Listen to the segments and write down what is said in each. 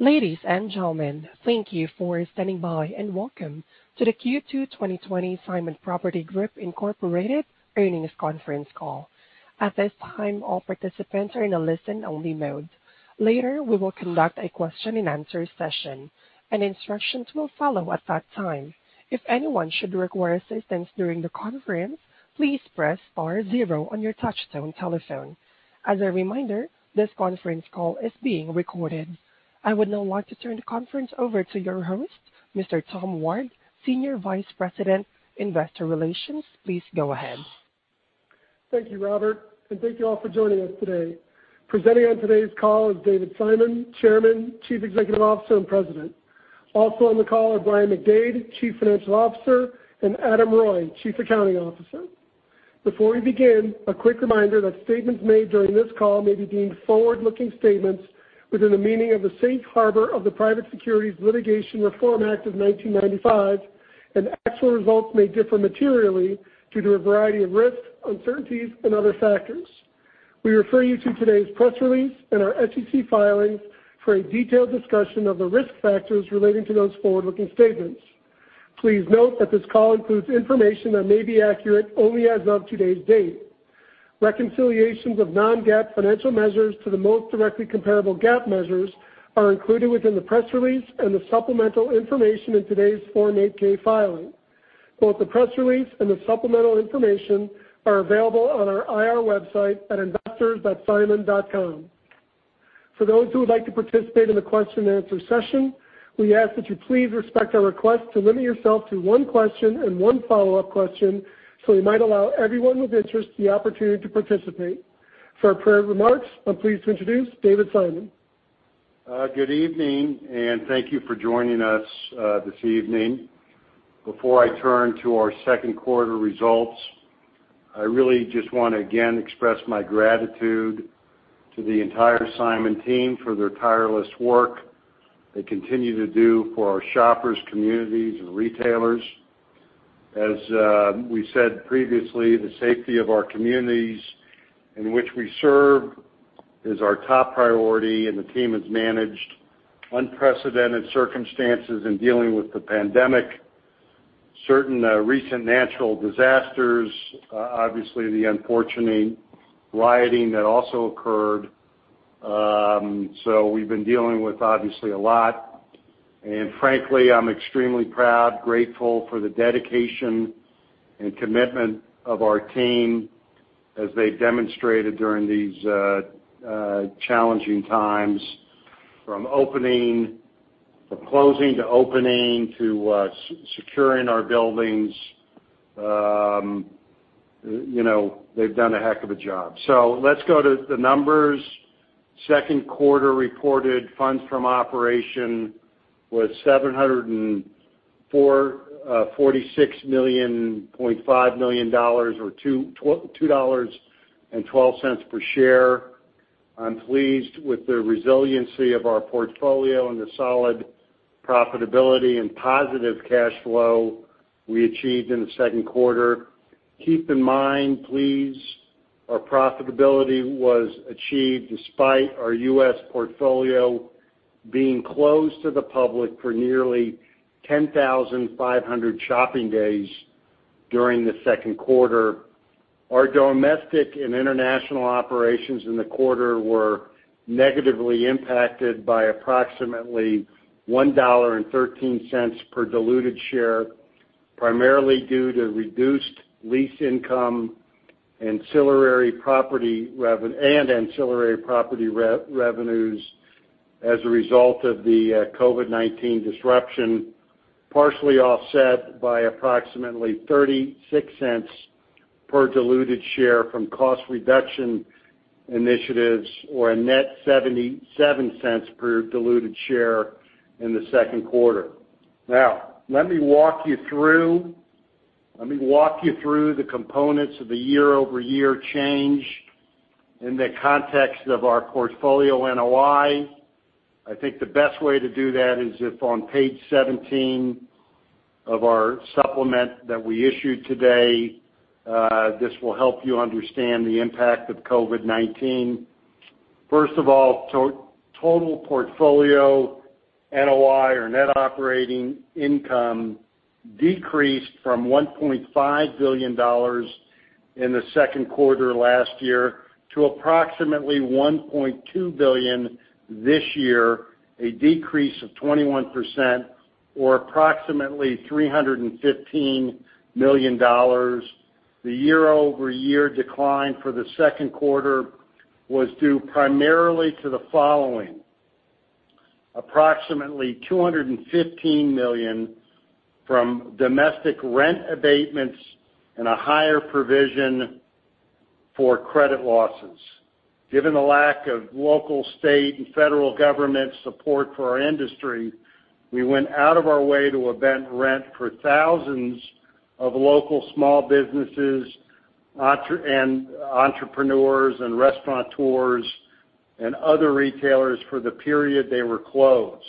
Ladies and gentlemen, thank you for standing by, and welcome to the Q2 2020 Simon Property Group, Inc. earnings conference call. At this time, all participants are in a listen-only mode. Later, we will conduct a question-and-answer session. An instruction will follow at that time. If anyone should require assistance during the conference, please press star zero on your touch-tone telephone. As a reminder, this conference call is being recorded. I would now like to turn the conference over to your host, Mr. Tom Ward, Senior Vice President, Investor Relations. Please go ahead. Thank you, Robert, and thank you all for joining us today. Presenting on today's call is David Simon, Chairman, Chief Executive Officer, and President. Also on the call are Brian McDade, Chief Financial Officer, and Adam Reuille, Chief Accounting Officer. Before we begin, a quick reminder that statements made during this call may be deemed forward-looking statements within the meaning of the Safe Harbor of the Private Securities Litigation Reform Act of 1995, and actual results may differ materially due to a variety of risks, uncertainties, and other factors. We refer you to today's press release and our SEC filings for a detailed discussion of the risk factors relating to those forward-looking statements. Please note that this call includes information that may be accurate only as of today's date. Reconciliations of non-GAAP financial measures to the most directly comparable GAAP measures are included within the press release and the supplemental information in today's Form 8-K filing. Both the press release and the supplemental information are available on our IR website at investors.simon.com. For those who would like to participate in the question-and-answer session, we ask that you please respect our request to limit yourself to one question and one follow-up question so we might allow everyone with interest the opportunity to participate. For opening remarks, I'm pleased to introduce David Simon. Good evening. Thank you for joining us this evening. Before I turn to our second quarter results, I really just want to, again, express my gratitude to the entire Simon team for their tireless work they continue to do for our shoppers, communities, and retailers. As we said previously, the safety of our communities in which we serve is our top priority. The team has managed unprecedented circumstances in dealing with the pandemic, certain recent natural disasters, obviously, the unfortunate rioting that also occurred. We've been dealing with obviously a lot. Frankly, I'm extremely proud, grateful for the dedication and commitment of our team as they demonstrated during these challenging times, from opening to closing to opening to securing our buildings. They've done a heck of a job. Let's go to the numbers. Second quarter reported funds from operation was $746.5 million or $2.12 per share. I'm pleased with the resiliency of our portfolio and the solid profitability and positive cash flow we achieved in the second quarter. Keep in mind, please, our profitability was achieved despite our U.S. portfolio being closed to the public for nearly 10,500 shopping days during the second quarter. Our domestic and international operations in the quarter were negatively impacted by approximately $1.13 per diluted share, primarily due to reduced lease income and ancillary property revenues as a result of the COVID-19 disruption, partially offset by approximately $0.36 per diluted share from cost reduction initiatives or a net $0.77 per diluted share in the second quarter. Now, let me walk you through the components of the year-over-year change in the context of our portfolio NOI. I think the best way to do that is if on page 17 of our supplement that we issued today. This will help you understand the impact of COVID-19. First of all, total portfolio NOI or net operating income decreased from $1.5 billion in the second quarter last year to approximately $1.2 billion this year, a decrease of 21% or approximately $315 million. The year-over-year decline for the second quarter was due primarily to the following: approximately $215 million from domestic rent abatements and a higher provision for credit losses. Given the lack of local, state, and federal government support for our industry, we went out of our way to abate rent for thousands of local small businesses and entrepreneurs and restaurateurs and other retailers for the period they were closed.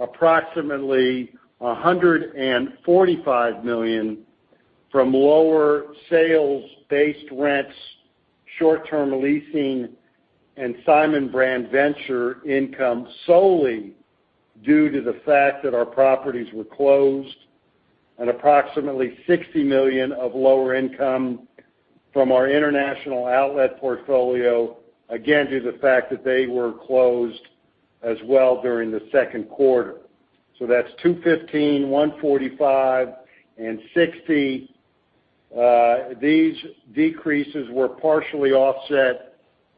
Approximately $145 million from lower sales-based rents, short-term leasing, and Simon Brand Ventures income solely due to the fact that our properties were closed, and approximately $60 million of lower income from our international outlet portfolio, again, due to the fact that they were closed as well during the second quarter. That's 215, 145, and 60. These decreases were partially offset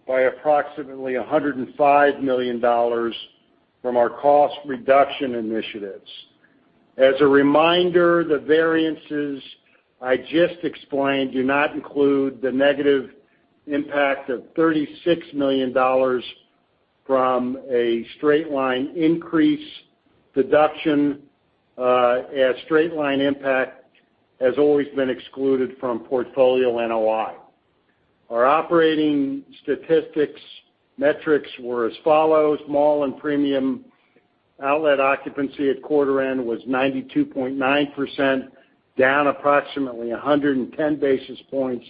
by approximately $105 million from our cost reduction initiatives. As a reminder, the variances I just explained do not include the negative impact of $36 million from a straight-line increase deduction, as straight-line impact has always been excluded from portfolio NOI. Our operating statistics metrics were as follows. Mall and premium outlet occupancy at quarter end was 92.9%, down approximately 110 basis points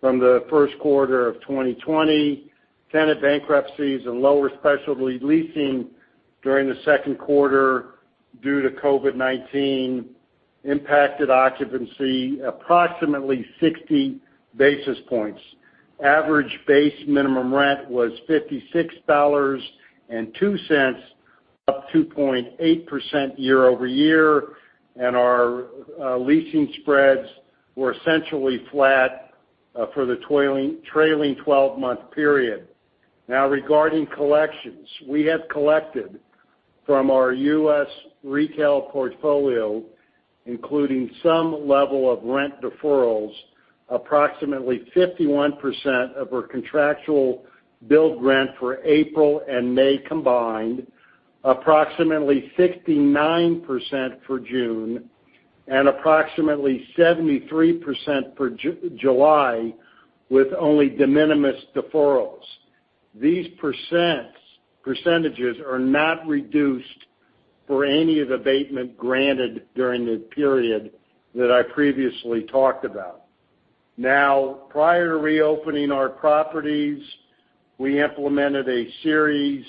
from the first quarter of 2020. Tenant bankruptcies and lower specialty leasing during the second quarter due to COVID-19 impacted occupancy approximately 60 basis points. Average base minimum rent was $56.02, up 2.8% year-over-year, and our leasing spreads were essentially flat for the trailing 12-month period. Now, regarding collections. We have collected from our U.S. retail portfolio, including some level of rent deferrals, approximately 51% of our contractual billed rent for April and May combined, approximately 59% for June, and approximately 73% for July, with only de minimis deferrals. These percentages are not reduced for any of the abatement granted during the period that I previously talked about. Prior to reopening our properties, we implemented a series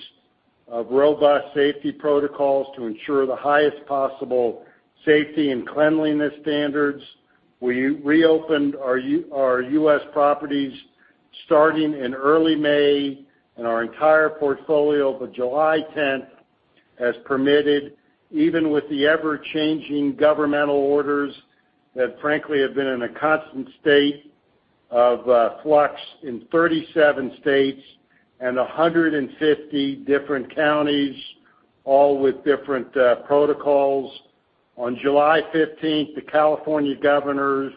of robust safety protocols to ensure the highest possible safety and cleanliness standards. We reopened our U.S. properties starting in early May and our entire portfolio by July 10th as permitted, even with the ever-changing governmental orders that frankly have been in a constant state of flux in 37 states and 150 different counties, all with different protocols. On July 15th, the California governor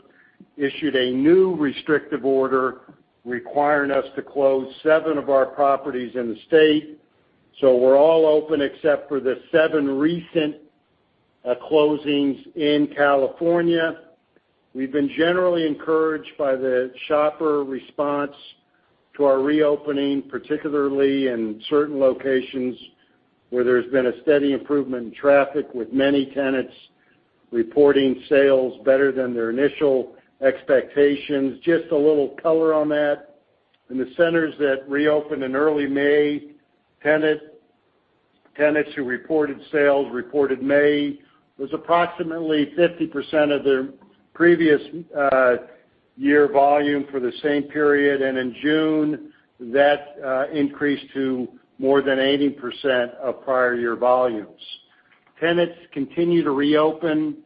issued a new restrictive order requiring us to close seven of our properties in the state. We're all open except for the seven recent closings in California. We've been generally encouraged by the shopper response to our reopening, particularly in certain locations where there's been a steady improvement in traffic, with many tenants reporting sales better than their initial expectations. Just a little color on that. In the centers that reopened in early May, tenants who reported sales reported May was approximately 50% of their previous year volume for the same period. In June, that increased to more than 80% of prior year volumes. Tenants continue to reopen,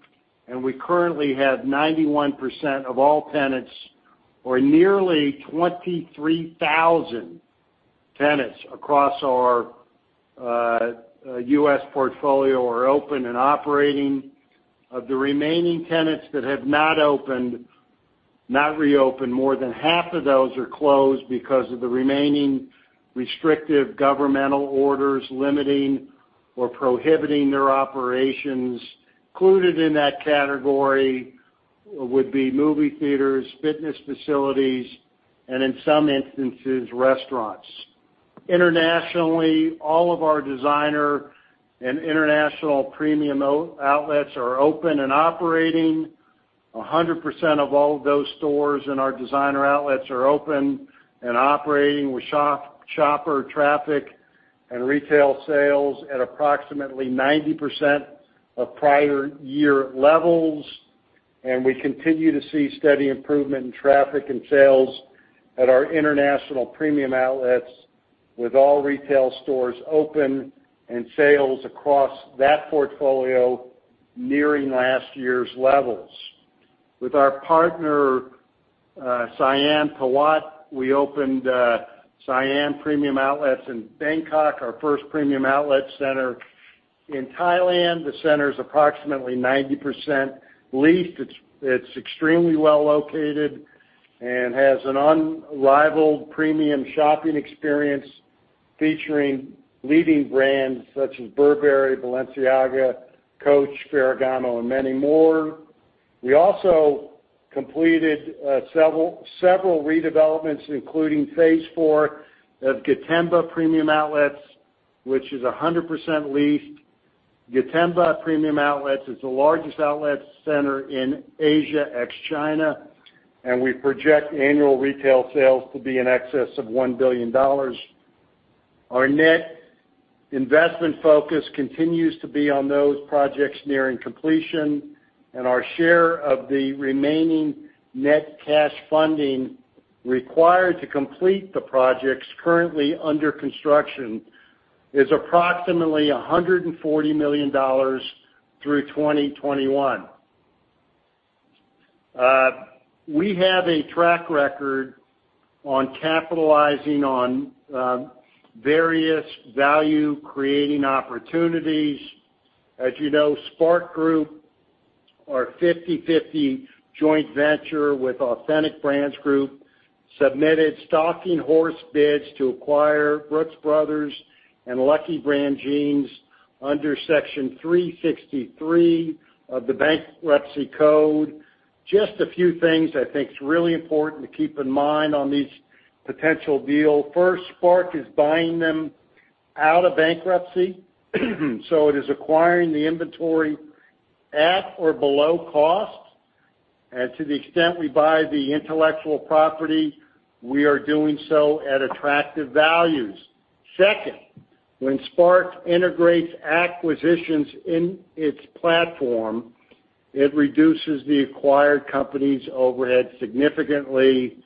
and we currently have 91% of all tenants or nearly 23,000 tenants across our U.S. portfolio are open and operating. Of the remaining tenants that have not reopened, more than half of those are closed because of the remaining restrictive governmental orders limiting or prohibiting their operations. Included in that category would be movie theaters, fitness facilities, and in some instances, restaurants. Internationally, all of our designer and international premium outlets are open and operating. 100% of all of those stores in our designer outlets are open and operating, with shopper traffic and retail sales at approximately 90% of prior year levels. We continue to see steady improvement in traffic and sales at our international premium outlets, with all retail stores open and sales across that portfolio nearing last year's levels. With our partner, Siam Piwat, we opened Siam Premium Outlets in Bangkok, our first premium outlet center in Thailand. The center is approximately 90% leased. It's extremely well located and has an unrivaled premium shopping experience featuring leading brands such as Burberry, Balenciaga, Coach, Ferragamo, and many more. We also completed several redevelopments, including phase four of Gotemba Premium Outlets, which is 100% leased. Gotemba Premium Outlets is the largest outlet center in Asia, ex-China, and we project annual retail sales to be in excess of $1 billion. Our net investment focus continues to be on those projects nearing completion. Our share of the remaining net cash funding required to complete the projects currently under construction is approximately $140 million through 2021. We have a track record on capitalizing on various value-creating opportunities. As you know, SPARC Group, our 50-50 joint venture with Authentic Brands Group, submitted stalking horse bids to acquire Brooks Brothers and Lucky Brand Jeans under Section 363 of the Bankruptcy Code. Just a few things I think is really important to keep in mind on this potential deal. First, SPARC is buying them out of bankruptcy, so it is acquiring the inventory at or below cost. To the extent we buy the intellectual property, we are doing so at attractive values. Second, when SPARC integrates acquisitions in its platform, it reduces the acquired company's overhead significantly.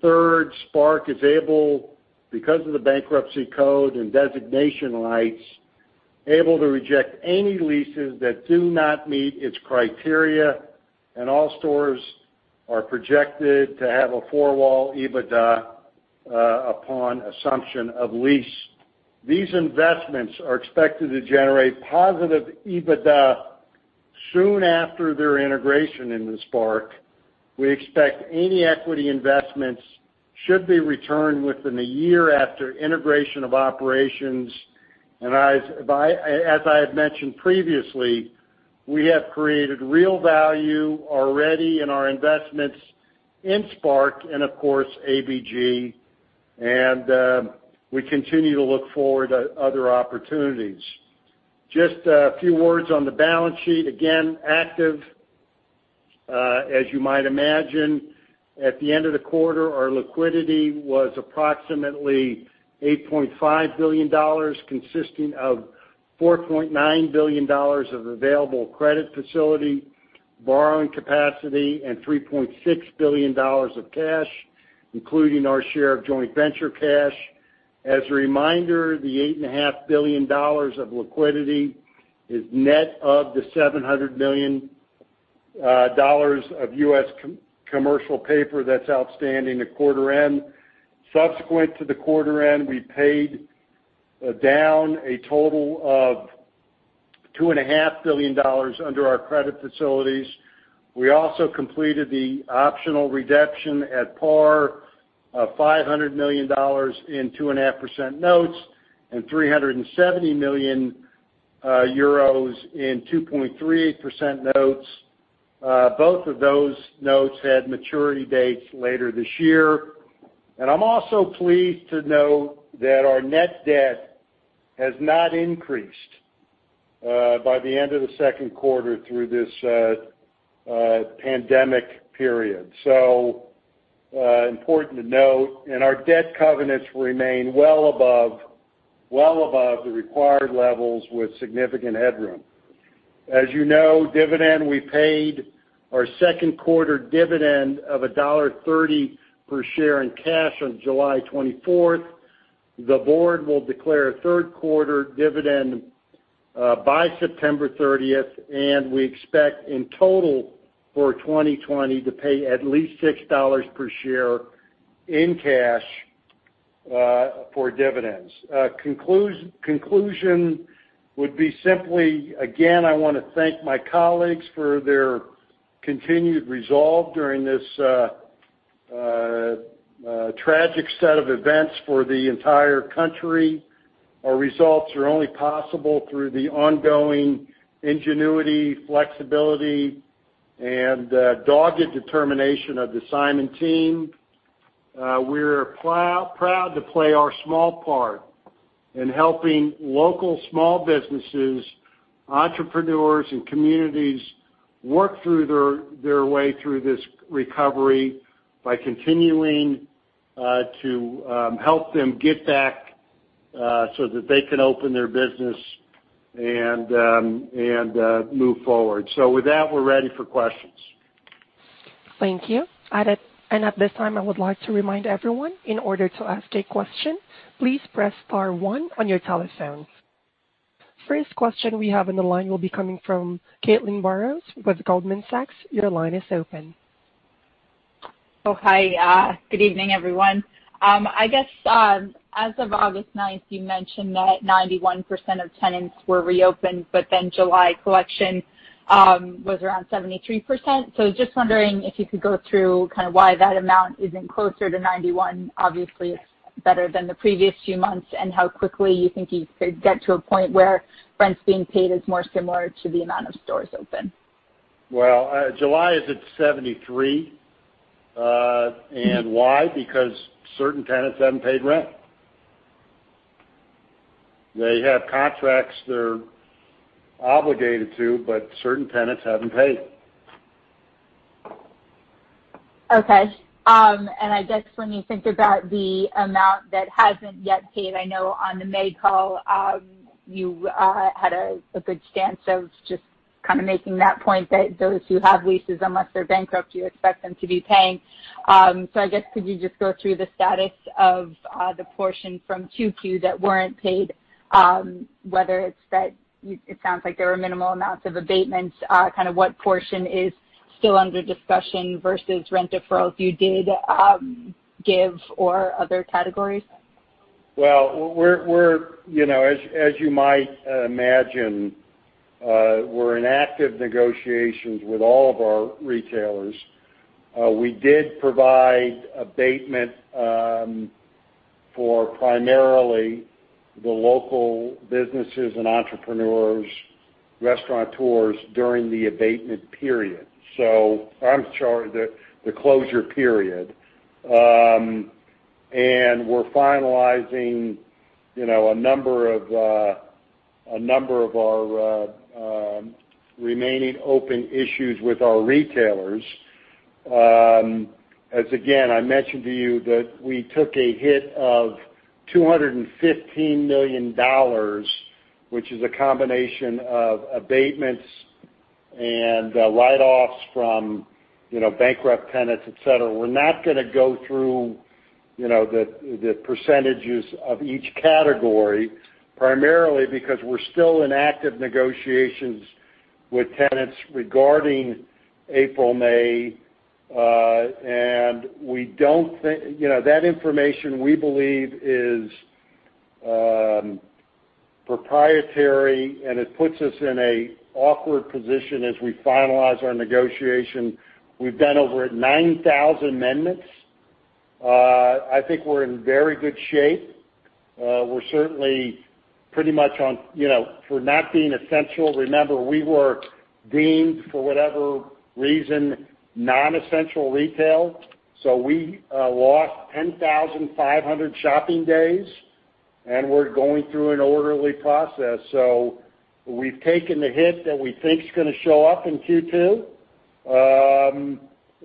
Third, SPARC is able, because of the Bankruptcy Code and designation rights, able to reject any leases that do not meet its criteria, and all stores are projected to have a four-wall EBITDA upon assumption of lease. These investments are expected to generate positive EBITDA soon after their integration into SPARC. We expect any equity investments should be returned within a year after integration of operations. As I had mentioned previously, we have created real value already in our investments in SPARC and of course, ABG, and we continue to look forward to other opportunities. Just a few words on the balance sheet. Again, active. As you might imagine, at the end of the quarter, our liquidity was approximately $8.5 billion, consisting of $4.9 billion of available credit facility, borrowing capacity, and $3.6 billion of cash, including our share of joint venture cash. As a reminder, the $8.5 billion of liquidity is net of the $700 million of U.S. commercial paper that's outstanding at quarter end. Subsequent to the quarter end, we paid down a total of $2.5 billion under our credit facilities. We also completed the optional redemption at par of $500 million in 2.5% notes and 370 million euros in 2.38% notes. Both of those notes had maturity dates later this year. I'm also pleased to note that our net debt has not increased by the end of the second quarter through this pandemic period. Important to note. Our debt covenants remain well above the required levels with significant headroom. As you know, dividend, we paid our second quarter dividend of $1.30 per share in cash on July 24th. The board will declare a third quarter dividend by September 30th, and we expect in total for 2020 to pay at least $6 per share in cash for dividends. Conclusion would be simply, again, I want to thank my colleagues for their continued resolve during this tragic set of events for the entire country. Our results are only possible through the ongoing ingenuity, flexibility, and dogged determination of the Simon team. We're proud to play our small part in helping local small businesses, entrepreneurs, and communities work through their way through this recovery by continuing to help them get back so that they can open their business and move forward. With that, we're ready for questions. Thank you. At this time, I would like to remind everyone, in order to ask a question, please press star one on your telephones. First question we have on the line will be coming from Caitlin Burrows with Goldman Sachs. Your line is open. Oh, hi. Good evening, everyone. I guess as of August 9th, you mentioned that 91% of tenants were reopened, but then July collection was around 73%. Just wondering if you could go through kind of why that amount isn't closer to 91%, obviously it's better than the previous few months, and how quickly you think you could get to a point where rents being paid is more similar to the amount of stores open. Well, July is at 73. Why? Because certain tenants haven't paid rent. They have contracts they're obligated to, but certain tenants haven't paid. Okay. I guess when you think about the amount that hasn't yet paid, I know on the May call, you had a good stance of just kind of making that point that those who have leases, unless they're bankrupt, you expect them to be paying. I guess, could you just go through the status of the portion from Q2 that weren't paid, whether it's that it sounds like there were minimal amounts of abatements, kind of what portion is still under discussion versus rent deferrals you did give or other categories? Well, as you might imagine, we're in active negotiations with all of our retailers. We did provide abatement for primarily the local businesses' and entrepreneurs' restaurateurs during the abatement period, I'm sure the closure period. We're finalizing a number of our remaining open issues with our retailers. As again, I mentioned to you that we took a hit of $215 million, which is a combination of abatements and write-offs from bankrupt tenants, et cetera. We're not going to go through the percentages of each category, primarily because we're still in active negotiations with tenants regarding April, May. That information, we believe, is proprietary, and it puts us in an awkward position as we finalize our negotiation. We've done over 9,000 amendments. I think we're in very good shape. For not being essential, remember, we were deemed, for whatever reason, non-essential retail. We lost 10,500 shopping days, and we're going through an orderly process. We've taken the hit that we think is going to show up in Q2,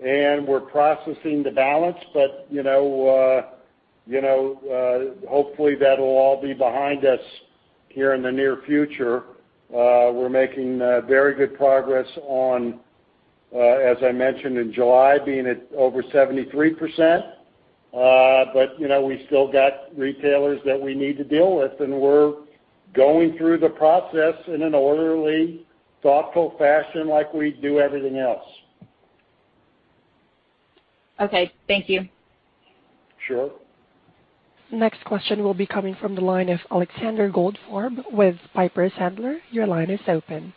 and we're processing the balance, but hopefully, that'll all be behind us here in the near future. We're making very good progress on, as I mentioned in July, being at over 73%. We still got retailers that we need to deal with, and we're going through the process in an orderly, thoughtful fashion like we do everything else. Okay. Thank you. Sure. Next question will be coming from the line of Alexander Goldfarb with Piper Sandler. Your line is open.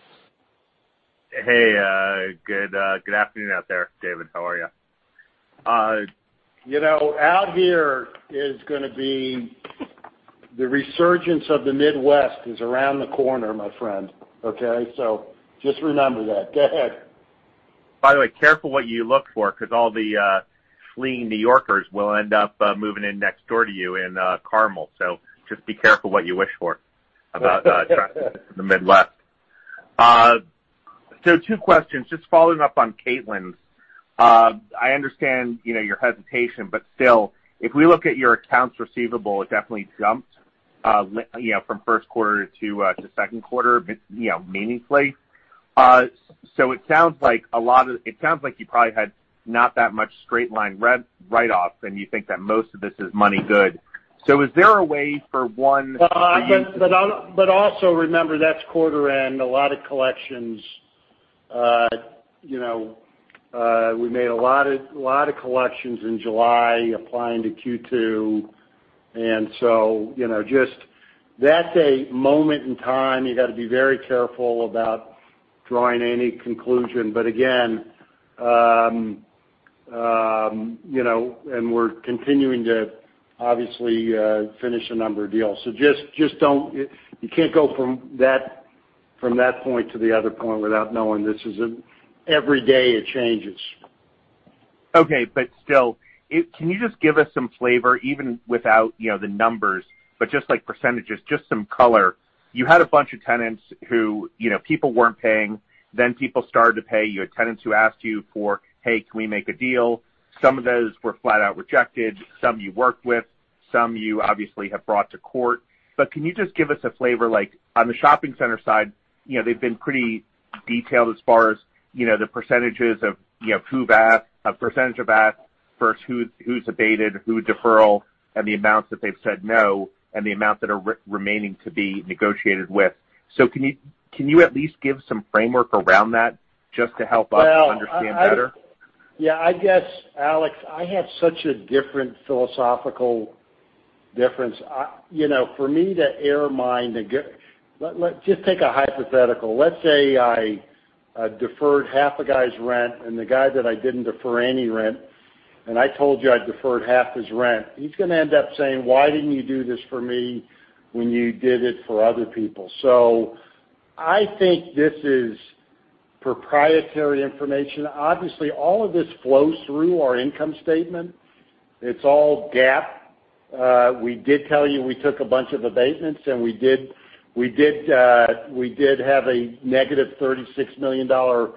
Hey, good afternoon out there, David. How are you? Out here is going to be the resurgence of the Midwest is around the corner, my friend, okay? Just remember that. Go ahead. By the way, careful what you look for, because all the fleeing New Yorkers will end up moving in next door to you in Carmel. Just be careful what you wish for the Midwest. Two questions, just following up on Caitlin's. I understand your hesitation, but still, if we look at your accounts receivable, it definitely jumped from first quarter to second quarter meaningfully. It sounds like you probably had not that much straight line write-offs, and you think that most of this is money good. Is there a way for one for you to. Also remember, that's quarter end. We made a lot of collections in July applying to Q2, that's a moment in time. You got to be very careful about drawing any conclusion. Again, we're continuing to obviously finish a number of deals. You can't go from that point to the other point without knowing. Every day it changes. Okay, still, can you just give us some flavor, even without the numbers, but just like %, just some color? You had a bunch of tenants who people weren't paying, then people started to pay you, a tenant who asked you for, "Hey, can we make a deal?" Some of those were flat out rejected, some you worked with, some you obviously have brought to court. Can you just give us a flavor like on the shopping center side, they've been pretty detailed as far as the % of who've asked, a % of ask versus who's abated, who deferred, and the amounts that they've said no, and the amount that are remaining to be negotiated with? Can you at least give some framework around that just to help us understand better? Yeah, I guess, Alex, I have such a different philosophical difference. Just take a hypothetical. Let's say I deferred half a guy's rent and the guy that I didn't defer any rent, and I told you I deferred half his rent. He's going to end up saying, "Why didn't you do this for me when you did it for other people?" I think this is proprietary information. Obviously, all of this flows through our income statement. It's all GAAP. We did tell you we took a bunch of abatements, and we did have a negative $36 million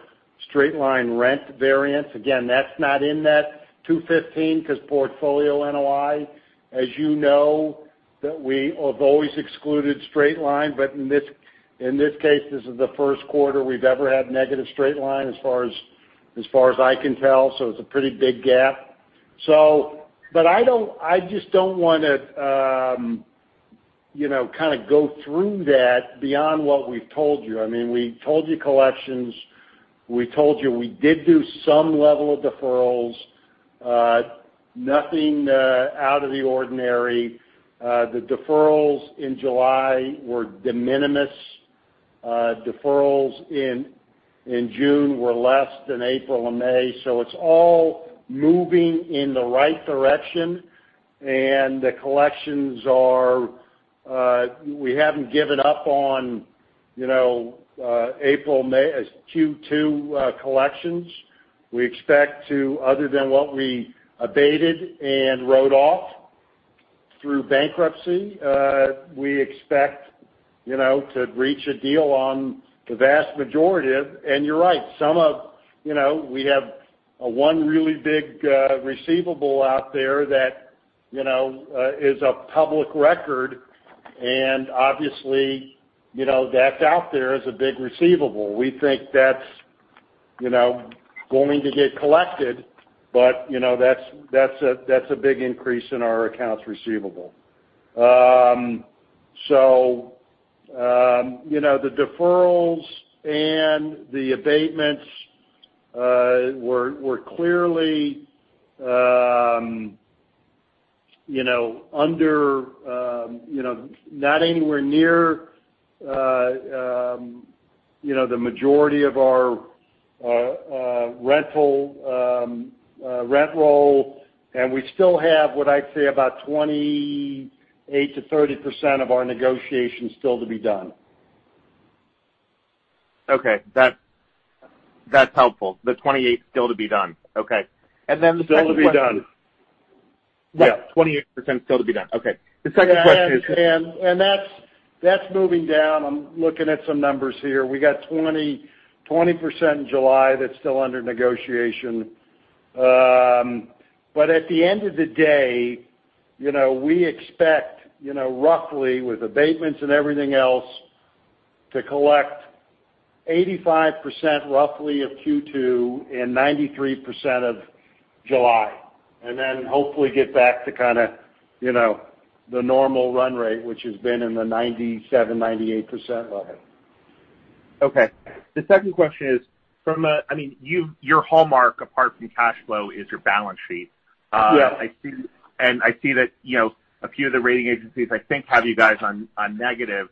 straight-line rent variance. Again, that's not in that 215 because portfolio NOI, as you know, that we have always excluded straight-line. In this case, this is the first quarter we've ever had negative straight-line as far as I can tell. It's a pretty big gap. I just don't want to go through that beyond what we've told you. We told you collections. We told you we did do some level of deferrals. Nothing out of the ordinary. The deferrals in July were de minimis. Deferrals in June were less than April and May. It's all moving in the right direction, and the collections. We haven't given up on Q2 collections. Other than what we abated and wrote off through bankruptcy, we expect to reach a deal on the vast majority of. You're right, we have one really big receivable out there that is a public record, and obviously, that's out there as a big receivable. We think that's going to get collected, but that's a big increase in our accounts receivable. The deferrals and the abatements were clearly not anywhere near the majority of our rent roll. We still have, what I'd say, about 28%-30% of our negotiations still to be done. Okay. That's helpful. The 28 still to be done. Okay. The second question- Still to be done. Yeah. 28% still to be done. Okay. The second question is- That's moving down. I'm looking at some numbers here. We got 20% in July that's still under negotiation. At the end of the day, we expect roughly, with abatements and everything else, to collect 85% roughly of Q2 and 93% of July, and then hopefully get back to the normal run rate, which has been in the 97%, 98% level. Okay. The second question is, your hallmark, apart from cash flow, is your balance sheet. Yeah. I see that a few of the rating agencies, I think, have you guys on negative,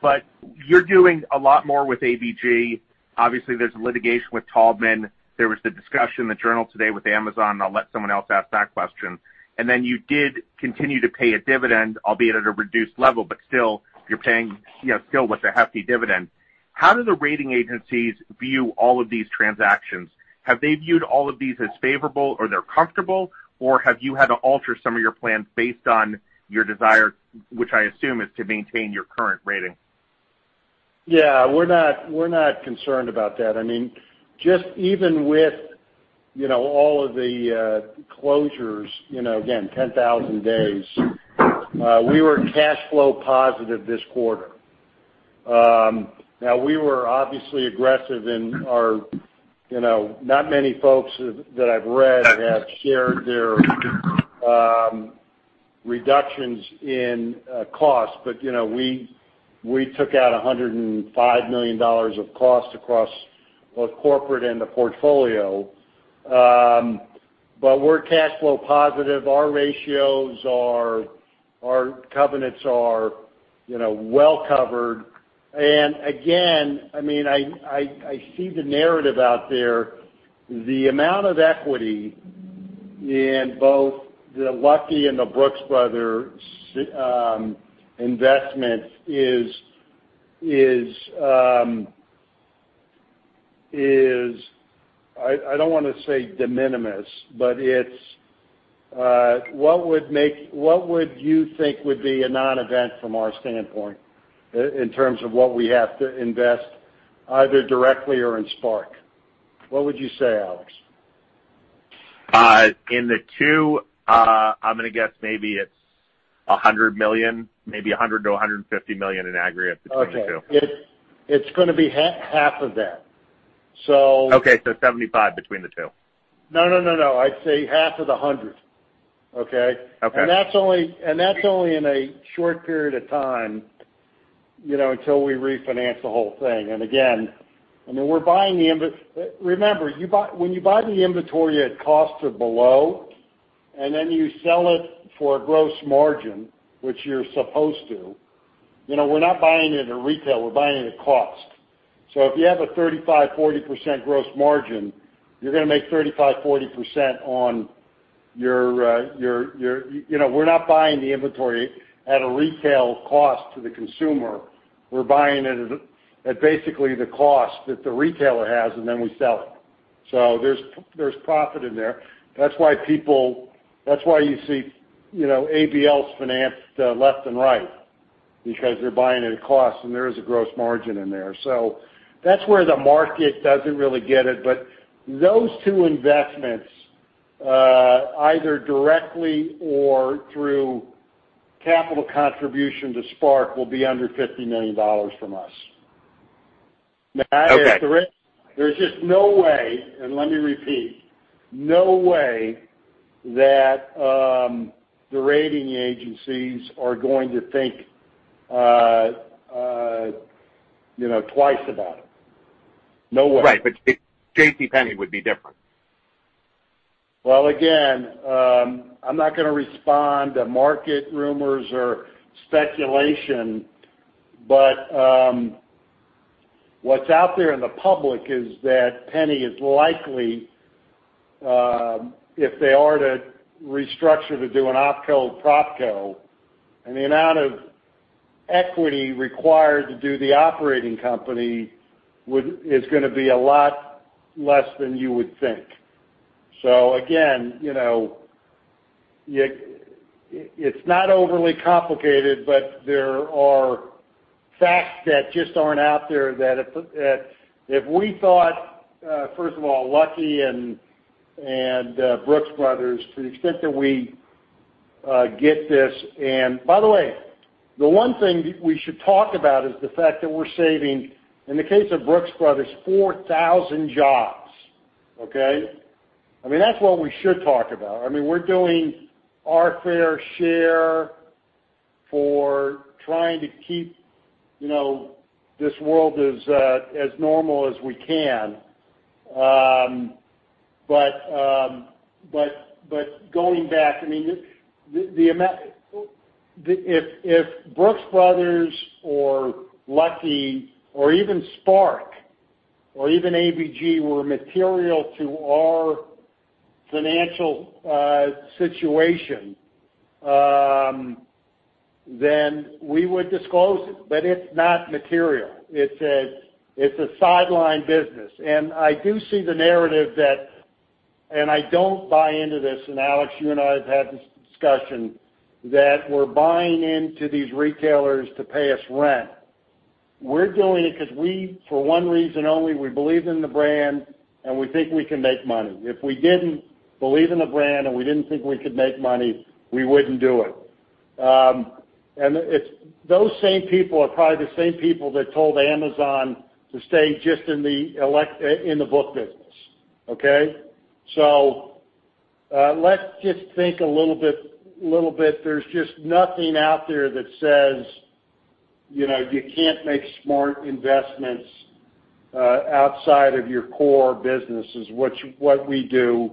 but you're doing a lot more with ABG. Obviously, there's litigation with Taubman. There was the discussion in the Journal today with Amazon. I'll let someone else ask that question. Then you did continue to pay a dividend, albeit at a reduced level, but still, you're paying still with a hefty dividend. How do the rating agencies view all of these transactions? Have they viewed all of these as favorable or they're comfortable, or have you had to alter some of your plans based on your desire, which I assume is to maintain your current rating? Yeah, we're not concerned about that. Just even with all of the closures, again, 10,000 days, we were cash flow positive this quarter. We were obviously aggressive in our. Not many folks that I've read have shared their reductions in cost, but we took out $105 million of cost across both corporate and the portfolio. We're cash flow positive. Our ratios, our covenants are well covered. Again, I see the narrative out there. The amount of equity in both the Lucky and the Brooks Brothers investment is, I don't want to say de minimis, but what would you think would be a non-event from our standpoint in terms of what we have to invest, either directly or in SPARC? What would you say, Alex? In the two, I'm going to guess maybe it's $100 million, maybe $100 million-$150 million in aggregate between the two. Okay. It's going to be half of that. Okay. $75 between the two. No. I'd say half of the $100. Okay? Okay. That's only in a short period of time, until we refinance the whole thing. Again, remember, when you buy the inventory at cost or below, and then you sell it for a gross margin, which you're supposed to, we're not buying it at retail, we're buying it at cost. If you have a 35%, 40% gross margin, you're going to make 35%, 40%. We're not buying the inventory at a retail cost to the consumer. We're buying it at basically the cost that the retailer has, and then we sell it. There's profit in there. That's why you see ABLs financed left and right, because they're buying it at cost, and there is a gross margin in there. That's where the market doesn't really get it. Those two investments, either directly or through capital contribution to SPARC, will be under $50 million from us. Okay. There's just no way, and let me repeat, no way that the rating agencies are going to think twice about it. No way. Right, JCPenney would be different. Well, again, I'm not going to respond to market rumors or speculation, but what's out there in the public is that Penney is likely, if they are to restructure to do an opco, propco, and the amount of equity required to do the operating company is going to be a lot less than you would think. Again, it's not overly complicated, but there are facts that just aren't out there, that if we thought, first of all, Lucky and Brooks Brothers, to the extent that we get this, and by the way, the one thing we should talk about is the fact that we're saving, in the case of Brooks Brothers, 4,000 jobs, okay? I mean, that's what we should talk about. I mean, we're doing our fair share for trying to keep this world as normal as we can. Going back, if Brooks Brothers or Lucky or even SPARC or even ABG were material to our financial situation, we would disclose it. It's not material. It's a sideline business. I do see the narrative that, and I don't buy into this, and Alex, you and I have had this discussion, that we're buying into these retailers to pay us rent. We're doing it because we, for one reason only, we believe in the brand, and we think we can make money. If we didn't believe in the brand and we didn't think we could make money, we wouldn't do it. Those same people are probably the same people that told Amazon to stay just in the book business, okay. Let's just think a little bit. There's just nothing out there that says you can't make smart investments outside of your core businesses, what we do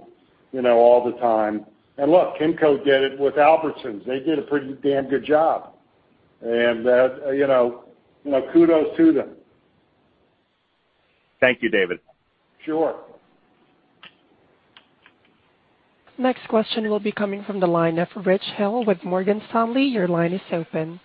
all the time. Look, Kimco did it with Albertsons. They did a pretty damn good job. Kudos to them. Thank you, David. Sure. Next question will be coming from the line of Richard Hill with Morgan Stanley. Your line is open.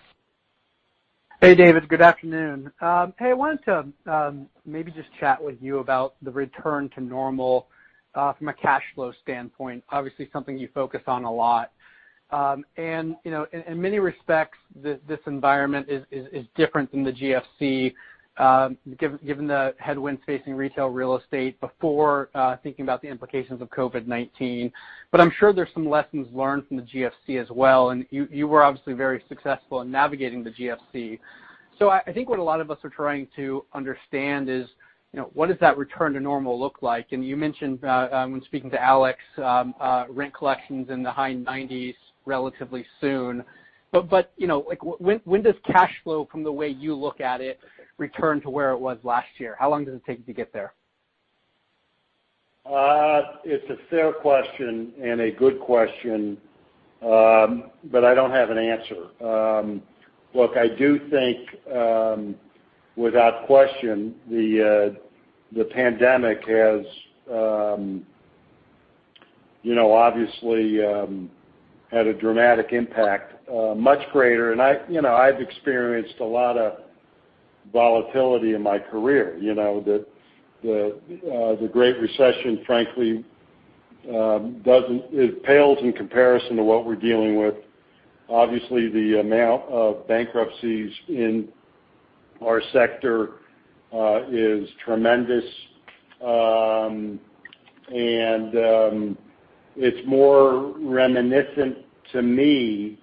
David. Good afternoon. I wanted to maybe just chat with you about the return to normal from a cash flow standpoint. Obviously, something you focus on a lot. In many respects, this environment is different than the GFC, given the headwinds facing retail real estate before, thinking about the implications of COVID-19. I'm sure there's some lessons learned from the GFC as well, and you were obviously very successful in navigating the GFC. I think what a lot of us are trying to understand is, what does that return to normal look like? You mentioned, when speaking to Alex, rent collections in the high 90s relatively soon. When does cash flow, from the way you look at it, return to where it was last year? How long does it take to get there? It's a fair question and a good question, but I don't have an answer. Look, I do think, without question, the pandemic has obviously had a dramatic impact, much greater. I've experienced a lot of volatility in my career. The Great Recession, frankly, it pales in comparison to what we're dealing with. Obviously, the amount of bankruptcies in our sector is tremendous. It's more reminiscent to me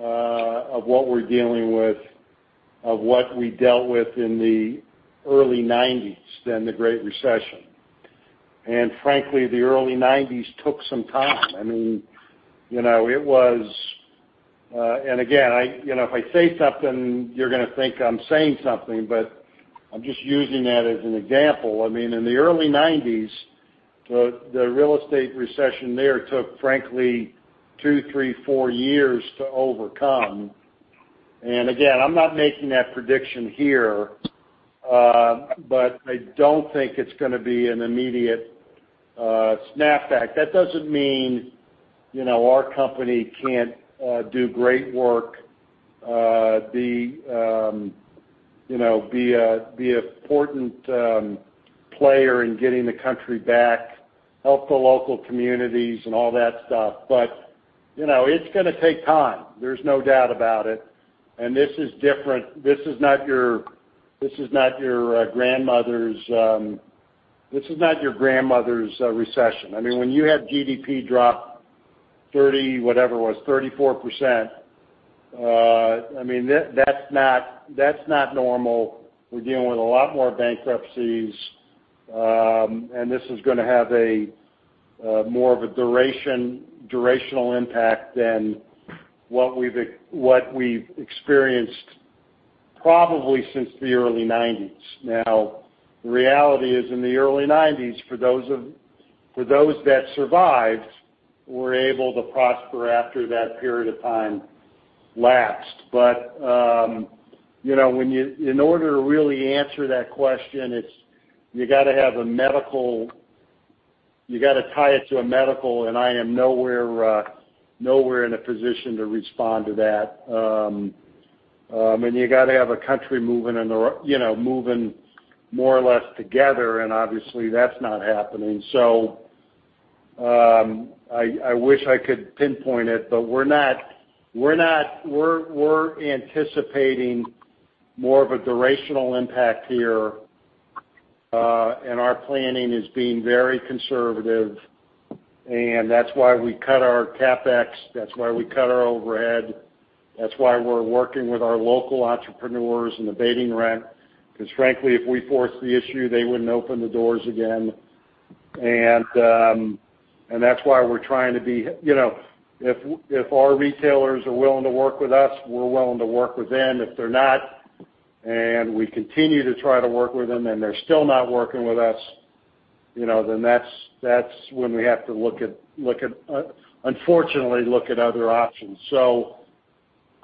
of what we're dealing with, of what we dealt with in the early 1990s than the Great Recession. Frankly, the early 1990s took some time. Again, if I say something, you're going to think I'm saying something, but I'm just using that as an example. In the early 1990s, the real estate recession there took, frankly, two, three, four years to overcome. Again, I'm not making that prediction here. I don't think it's going to be an immediate snap back. That doesn't mean our company can't do great work, be an important player in getting the country back, help the local communities and all that stuff. It's going to take time, there's no doubt about it. This is different. This is not your grandmother's recession. When you have GDP drop 30, whatever it was, 34%, that's not normal. We're dealing with a lot more bankruptcies. This is going to have more of a durational impact than what we've experienced probably since the early '90s. Now, the reality is in the early '90s, for those that survived, were able to prosper after that period of time lapsed. In order to really answer that question, you got to tie it to a medical, and I am nowhere in a position to respond to that. You got to have a country moving more or less together, and obviously, that's not happening. I wish I could pinpoint it, but we're anticipating more of a durational impact here. Our planning is being very conservative, and that's why we cut our CapEx, that's why we cut our overhead. That's why we're working with our local entrepreneurs in abating rent, because frankly, if we forced the issue, they wouldn't open the doors again. That's why we're trying to be If our retailers are willing to work with us, we're willing to work with them. If they're not, and we continue to try to work with them, and they're still not working with us, then that's when we have to unfortunately look at other options.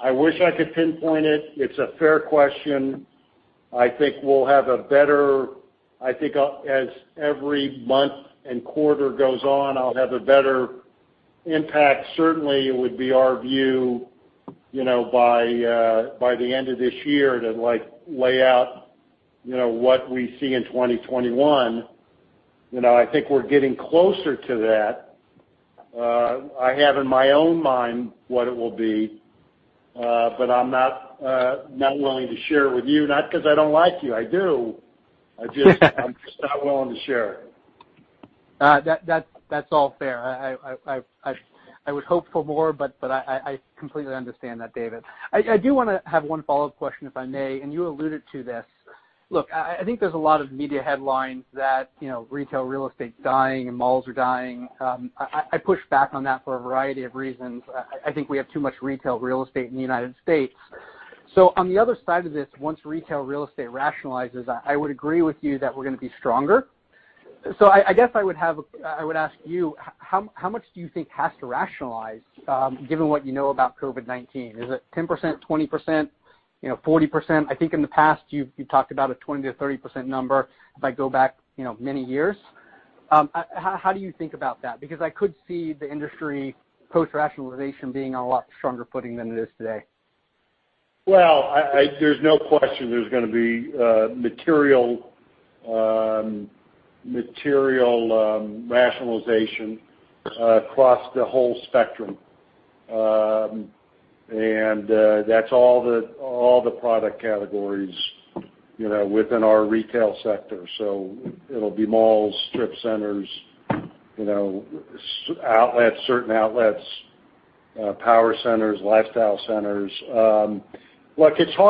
I wish I could pinpoint it. It's a fair question. I think as every month and quarter goes on, I'll have a better impact. Certainly, it would be our view by the end of this year to lay out what we see in 2021. I think we're getting closer to that. I have in my own mind what it will be, but I'm not willing to share it with you, not because I don't like you. I do. I'm just not willing to share it. That's all fair. I would hope for more, but I completely understand that, David. I do want to have one follow-up question, if I may, and you alluded to this. Look, I think there's a lot of media headlines that retail real estate's dying and malls are dying. I push back on that for a variety of reasons. I think we have too much retail real estate in the United States. On the other side of this, once retail real estate rationalizes, I would agree with you that we're going to be stronger. I guess I would ask you, how much do you think has to rationalize, given what you know about COVID-19? Is it 10%, 20%, 40%? I think in the past, you've talked about a 20%-30% number if I go back many years. How do you think about that? I could see the industry post-rationalization being on a lot stronger footing than it is today. Well, there's no question there's going to be material rationalization across the whole spectrum. That's all the product categories within our retail sector. It'll be malls, strip centers, certain outlets, power centers, lifestyle centers. Look, again,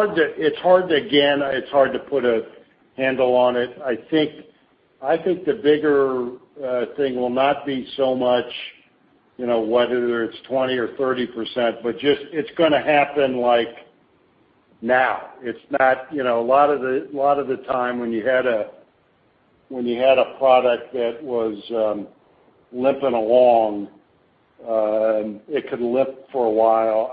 it's hard to put a handle on it. I think the bigger thing will not be so much whether it's 20% or 30%, but just it's going to happen now. A lot of the time when you had a product that was limping along, it could limp for a while.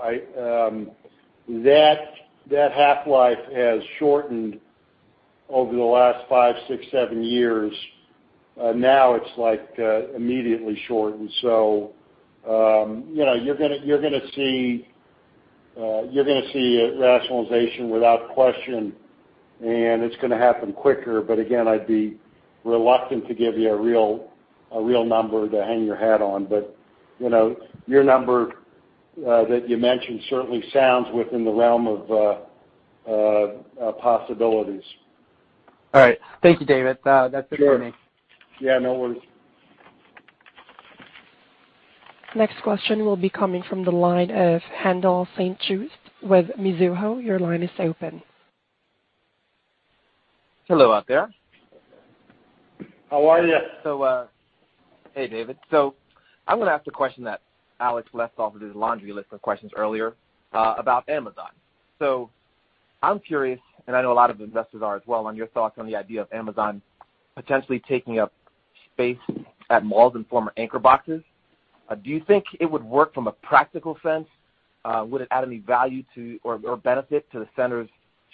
That half-life has shortened over the last five, six, seven years. Now it's immediately shortened. You're going to see a rationalization without question, and it's going to happen quicker. Again, I'd be reluctant to give you a real number to hang your hat on. Your number that you mentioned certainly sounds within the realm of possibilities. All right. Thank you, David. That's it for me. Sure. Yeah, no worries. Next question will be coming from the line of Haendel St. Juste with Mizuho. Your line is open. Hello out there. How are you? Hey, David. I'm going to ask a question that Alex left off of his laundry list of questions earlier about Amazon. I'm curious, and I know a lot of investors are as well, on your thoughts on the idea of Amazon potentially taking up space at malls and former anchor boxes. Do you think it would work from a practical sense? Would it add any value to, or benefit to the center's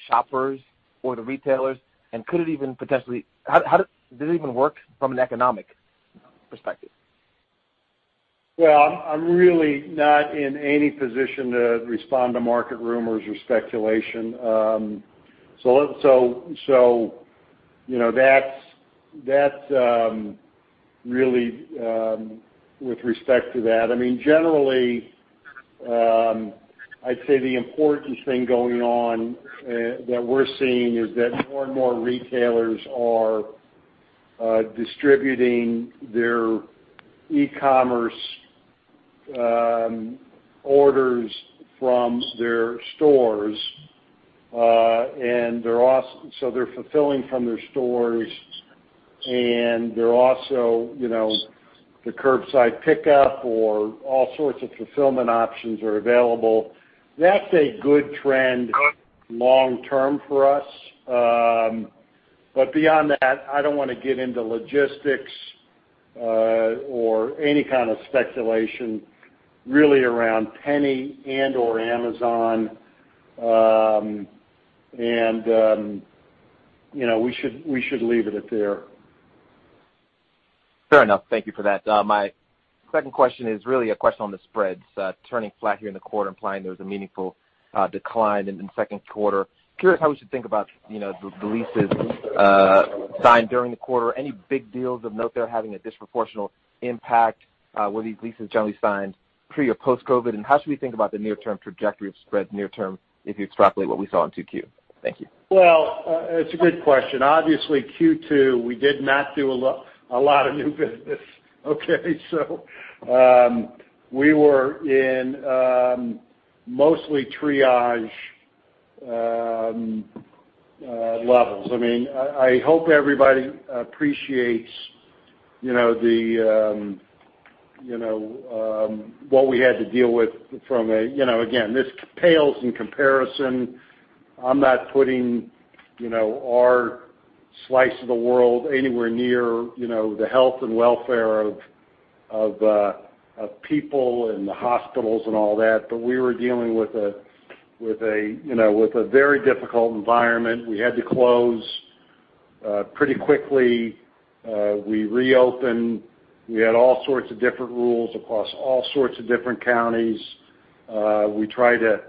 shoppers or the retailers? Does it even work from an economic perspective? I'm really not in any position to respond to market rumors or speculation. That's really with respect to that. Generally, I'd say the important thing going on that we're seeing is that more and more retailers are distributing their e-commerce orders from their stores. They're fulfilling from their stores, and they're also the curbside pickup or all sorts of fulfillment options are available. That's a good trend long term for us. Beyond that, I don't want to get into logistics, or any kind of speculation really around Penney and/or Amazon. We should leave it at there. Fair enough. Thank you for that. My second question is really a question on the spreads turning flat here in the quarter, implying there was a meaningful decline in the second quarter. Curious how we should think about the leases signed during the quarter. Any big deals of note there having a disproportional impact? Were these leases generally signed pre or post-COVID-19? How should we think about the near-term trajectory of spreads near term, if you extrapolate what we saw in 2Q? Thank you. Well, it's a good question. Obviously, Q2, we did not do a lot of new business. Okay, we were in mostly triage levels. I hope everybody appreciates what we had to deal with. Again, this pales in comparison. I'm not putting our slice of the world anywhere near the health and welfare of people and the hospitals and all that, but we were dealing with a very difficult environment. We had to close pretty quickly. We reopened. We had all sorts of different rules across all sorts of different counties. We tried to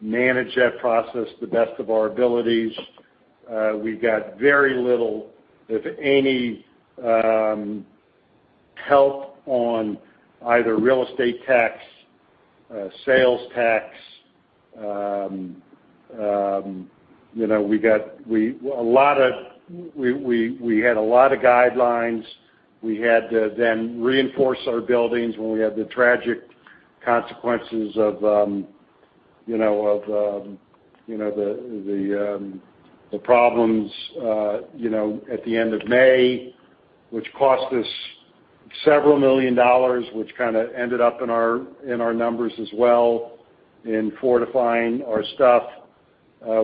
manage that process to the best of our abilities. We've got very little, if any, help on either real estate tax, sales tax. We had a lot of guidelines. We had to reinforce our buildings when we had the tragic consequences of the problems at the end of May, which cost us several million dollars, which kind of ended up in our numbers as well in fortifying our stuff.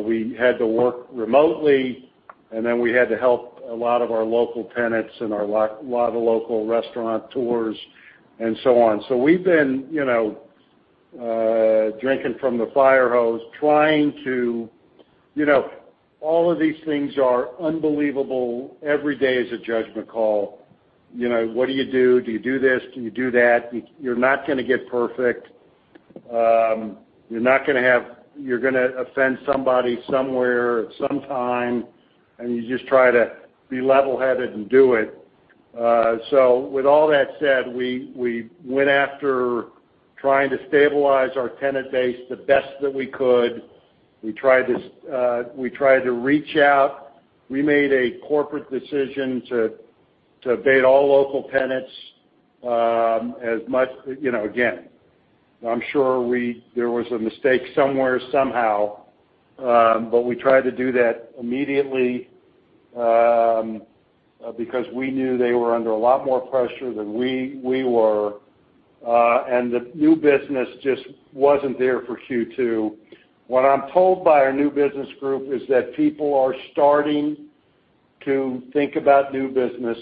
We had to work remotely, we had to help a lot of our local tenants and a lot of local restaurateurs and so on. We've been drinking from the fire hose. All of these things are unbelievable. Every day is a judgment call. What do you do? Do you do this? Do you do that? You're not going to get perfect. You're going to offend somebody somewhere at some time, you just try to be levelheaded and do it. With all that said, we went after trying to stabilize our tenant base the best that we could. We tried to reach out. We made a corporate decision to abate all local tenants. I'm sure there was a mistake somewhere, somehow. We tried to do that immediately, because we knew they were under a lot more pressure than we were. The new business just wasn't there for Q2. What I'm told by our new business group is that people are starting to think about new business.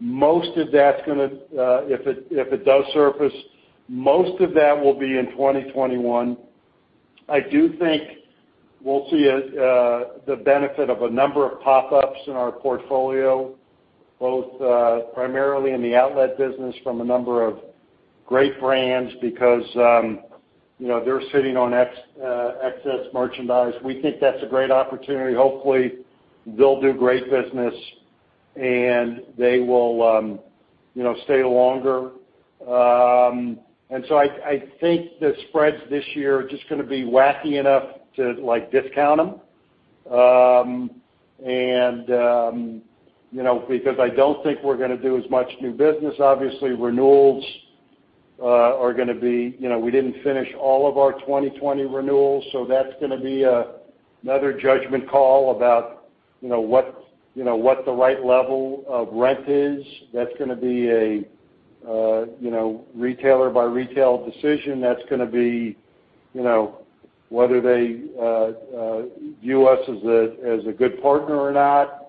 If it does surface, most of that will be in 2021. I do think we'll see the benefit of a number of pop-ups in our portfolio, both primarily in the outlet business from a number of great brands because they're sitting on excess merchandise. We think that's a great opportunity. Hopefully, they'll do great business and they will stay longer. I think the spreads this year are just going to be wacky enough to discount them, because I don't think we're going to do as much new business. We didn't finish all of our 2020 renewals, so that's going to be another judgment call about what the right level of rent is. That's going to be a retailer-by-retail decision that's going to be whether they view us as a good partner or not.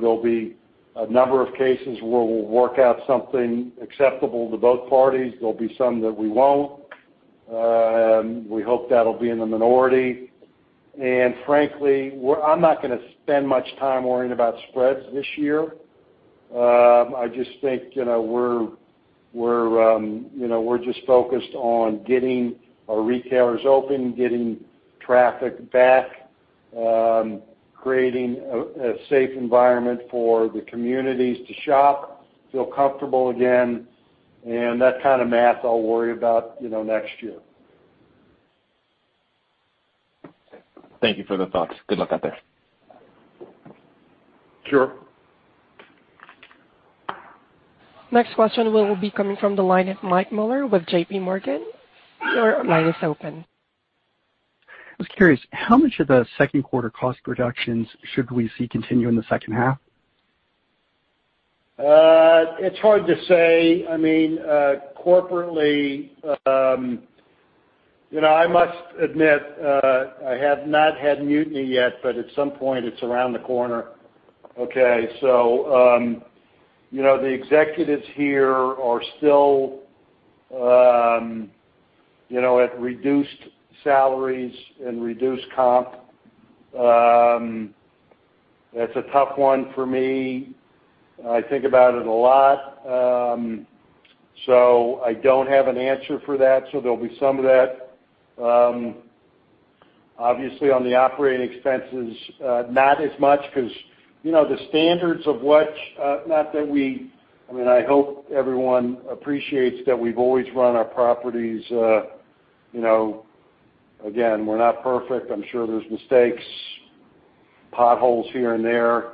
There'll be a number of cases where we'll work out something acceptable to both parties. There'll be some that we won't. We hope that'll be in the minority. Frankly, I'm not going to spend much time worrying about spreads this year. I just think we're just focused on getting our retailers open, getting traffic back, creating a safe environment for the communities to shop, feel comfortable again, and that kind of math I'll worry about next year. Thank you for the thoughts. Good luck out there. Sure. Next question will be coming from the line of Michael Mueller with JPMorgan. Your line is open. I was curious, how much of the second quarter cost reductions should we see continue in the second half? It's hard to say. Corporately, I must admit, I have not had mutiny yet, but at some point, it's around the corner, okay? The executives here are still at reduced salaries and reduced comp. That's a tough one for me. I think about it a lot. I don't have an answer for that. There'll be some of that. Obviously, on the operating expenses, not as much because the standards of what I hope everyone appreciates that we've always run our properties. Again, we're not perfect. I'm sure there's mistakes, potholes here and there.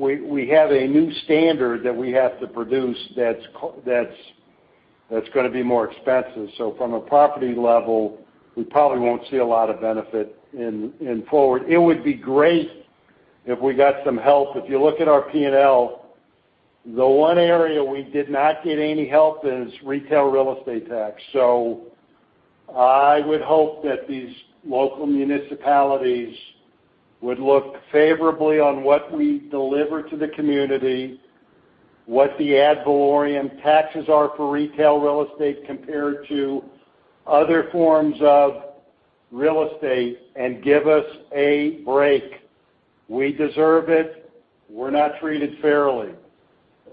We have a new standard that we have to produce that's going to be more expensive. From a property level, we probably won't see a lot of benefit in forward. It would be great if we got some help. If you look at our P&L, the one area we did not get any help is retail real estate tax. I would hope that these local municipalities would look favorably on what we deliver to the community, what the ad valorem taxes are for retail real estate compared to other forms of real estate, and give us a break. We deserve it. We're not treated fairly,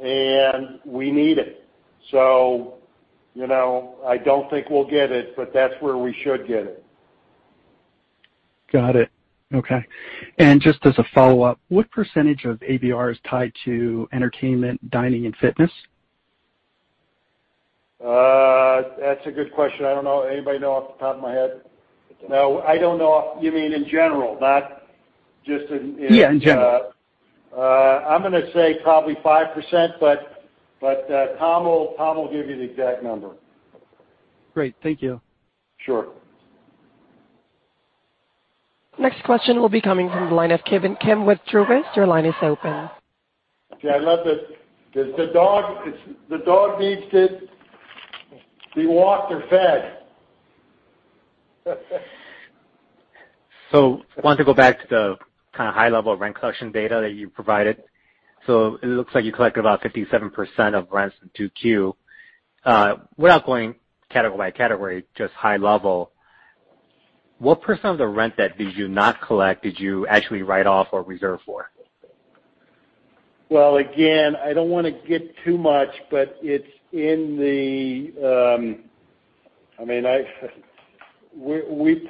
and we need it. I don't think we'll get it, but that's where we should get it. Got it. Okay. Just as a follow-up, what % of ABR is tied to entertainment, dining, and fitness? That's a good question. I don't know. Anybody know off the top of my head? No, I don't know. You mean in general, not just in- Yeah, in general. I'm going to say probably 5%, but Tom will give you the exact number. Great. Thank you. Sure. Next question will be coming from the line of Ki Bin Kim with Truist. Your line is open. Okay, I love this. The dog needs to be walked or fed. I wanted to go back to the kind of high-level rent collection data that you provided. It looks like you collected about 57% of rents in 2Q. Without going category by category, just high level, what % of the rent that did you not collect did you actually write off or reserve for? Again, I don't want to give too much, but we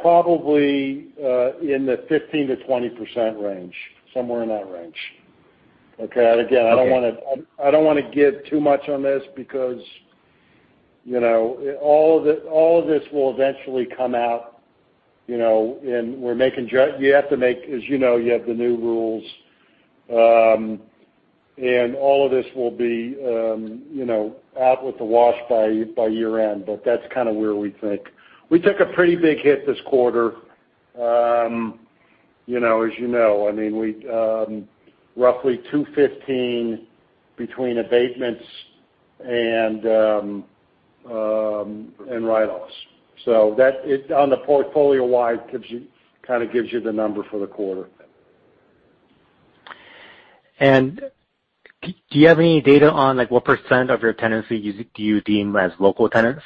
probably in the 15%-20% range, somewhere in that range. Okay. Again, I don't want to give too much on this because all of this will eventually come out, and as you know, you have the new rules. All of this will be out with the wash by year-end, but that's kind of where we think. We took a pretty big hit this quarter. As you know, roughly $215 million between abatements and write-offs. On the portfolio-wide, kind of gives you the number for the quarter. Do you have any data on what % of your tenancy do you deem as local tenants?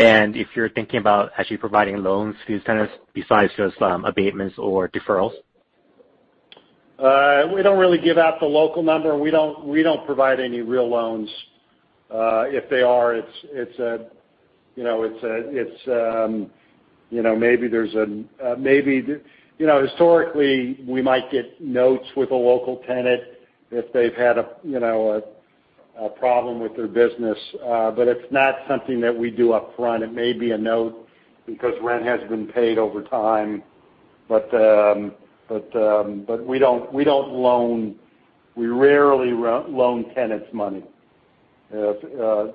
If you're thinking about actually providing loans to these tenants besides just abatements or deferrals? We don't really give out the local number. We don't provide any real loans. If they are, historically, we might get notes with a local tenant if they've had a problem with their business. It's not something that we do upfront. It may be a note because rent hasn't been paid over time. We don't loan. We rarely loan tenants money to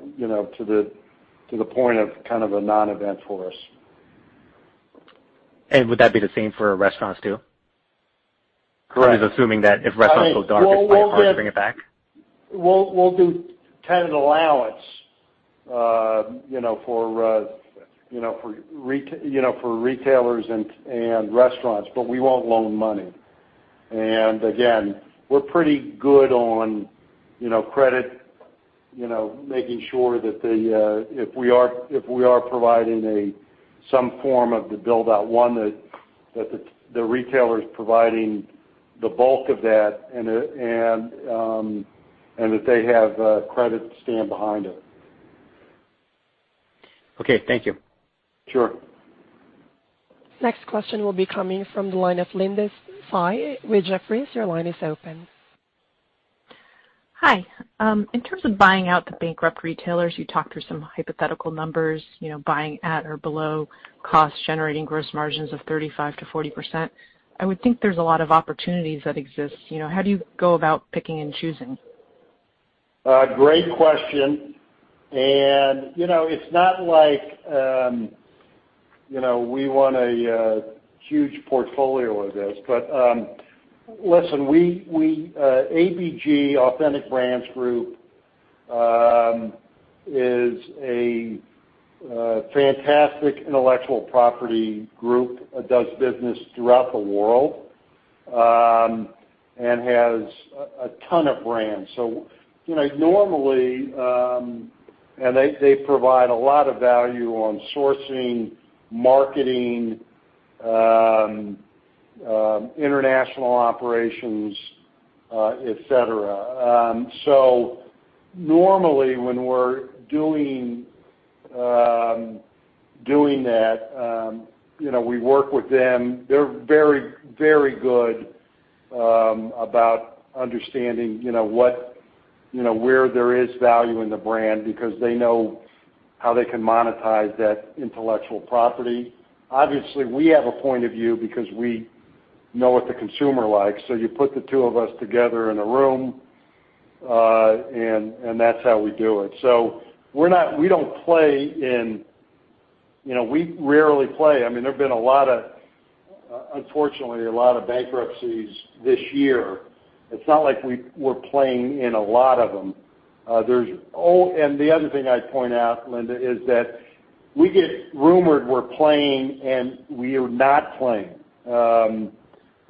the point of kind of a non-event for us. Would that be the same for restaurants too? Correct. I was assuming that if restaurants go dark, it's quite hard to bring it back. We'll do tenant allowance for retailers and restaurants, but we won't loan money. Again, we're pretty good on credit, making sure that if we are providing some form of the build-out, one, that the retailer is providing the bulk of that, and that they have credit to stand behind it. Okay, thank you. Sure. Next question will be coming from the line of Linda Tsai with Jefferies. Your line is open. Hi. In terms of buying out the bankrupt retailers, you talked through some hypothetical numbers, buying at or below cost, generating gross margins of 35%-40%. I would think there's a lot of opportunities that exist. How do you go about picking and choosing? Great question. It's not like we want a huge portfolio of this, but listen, ABG, Authentic Brands Group, is a fantastic intellectual property group that does business throughout the world, and has a ton of brands. They provide a lot of value on sourcing, marketing, international operations, et cetera. Normally when we're doing that, we work with them. They're very good about understanding where there is value in the brand, because they know how they can monetize that intellectual property. Obviously, we have a point of view because we know what the consumer likes. You put the two of us together in a room, and that's how we do it. We rarely play. There've been, unfortunately, a lot of bankruptcies this year. It's not like we're playing in a lot of them. The other thing I'd point out, Linda, is that we get rumored we're playing, and we are not playing.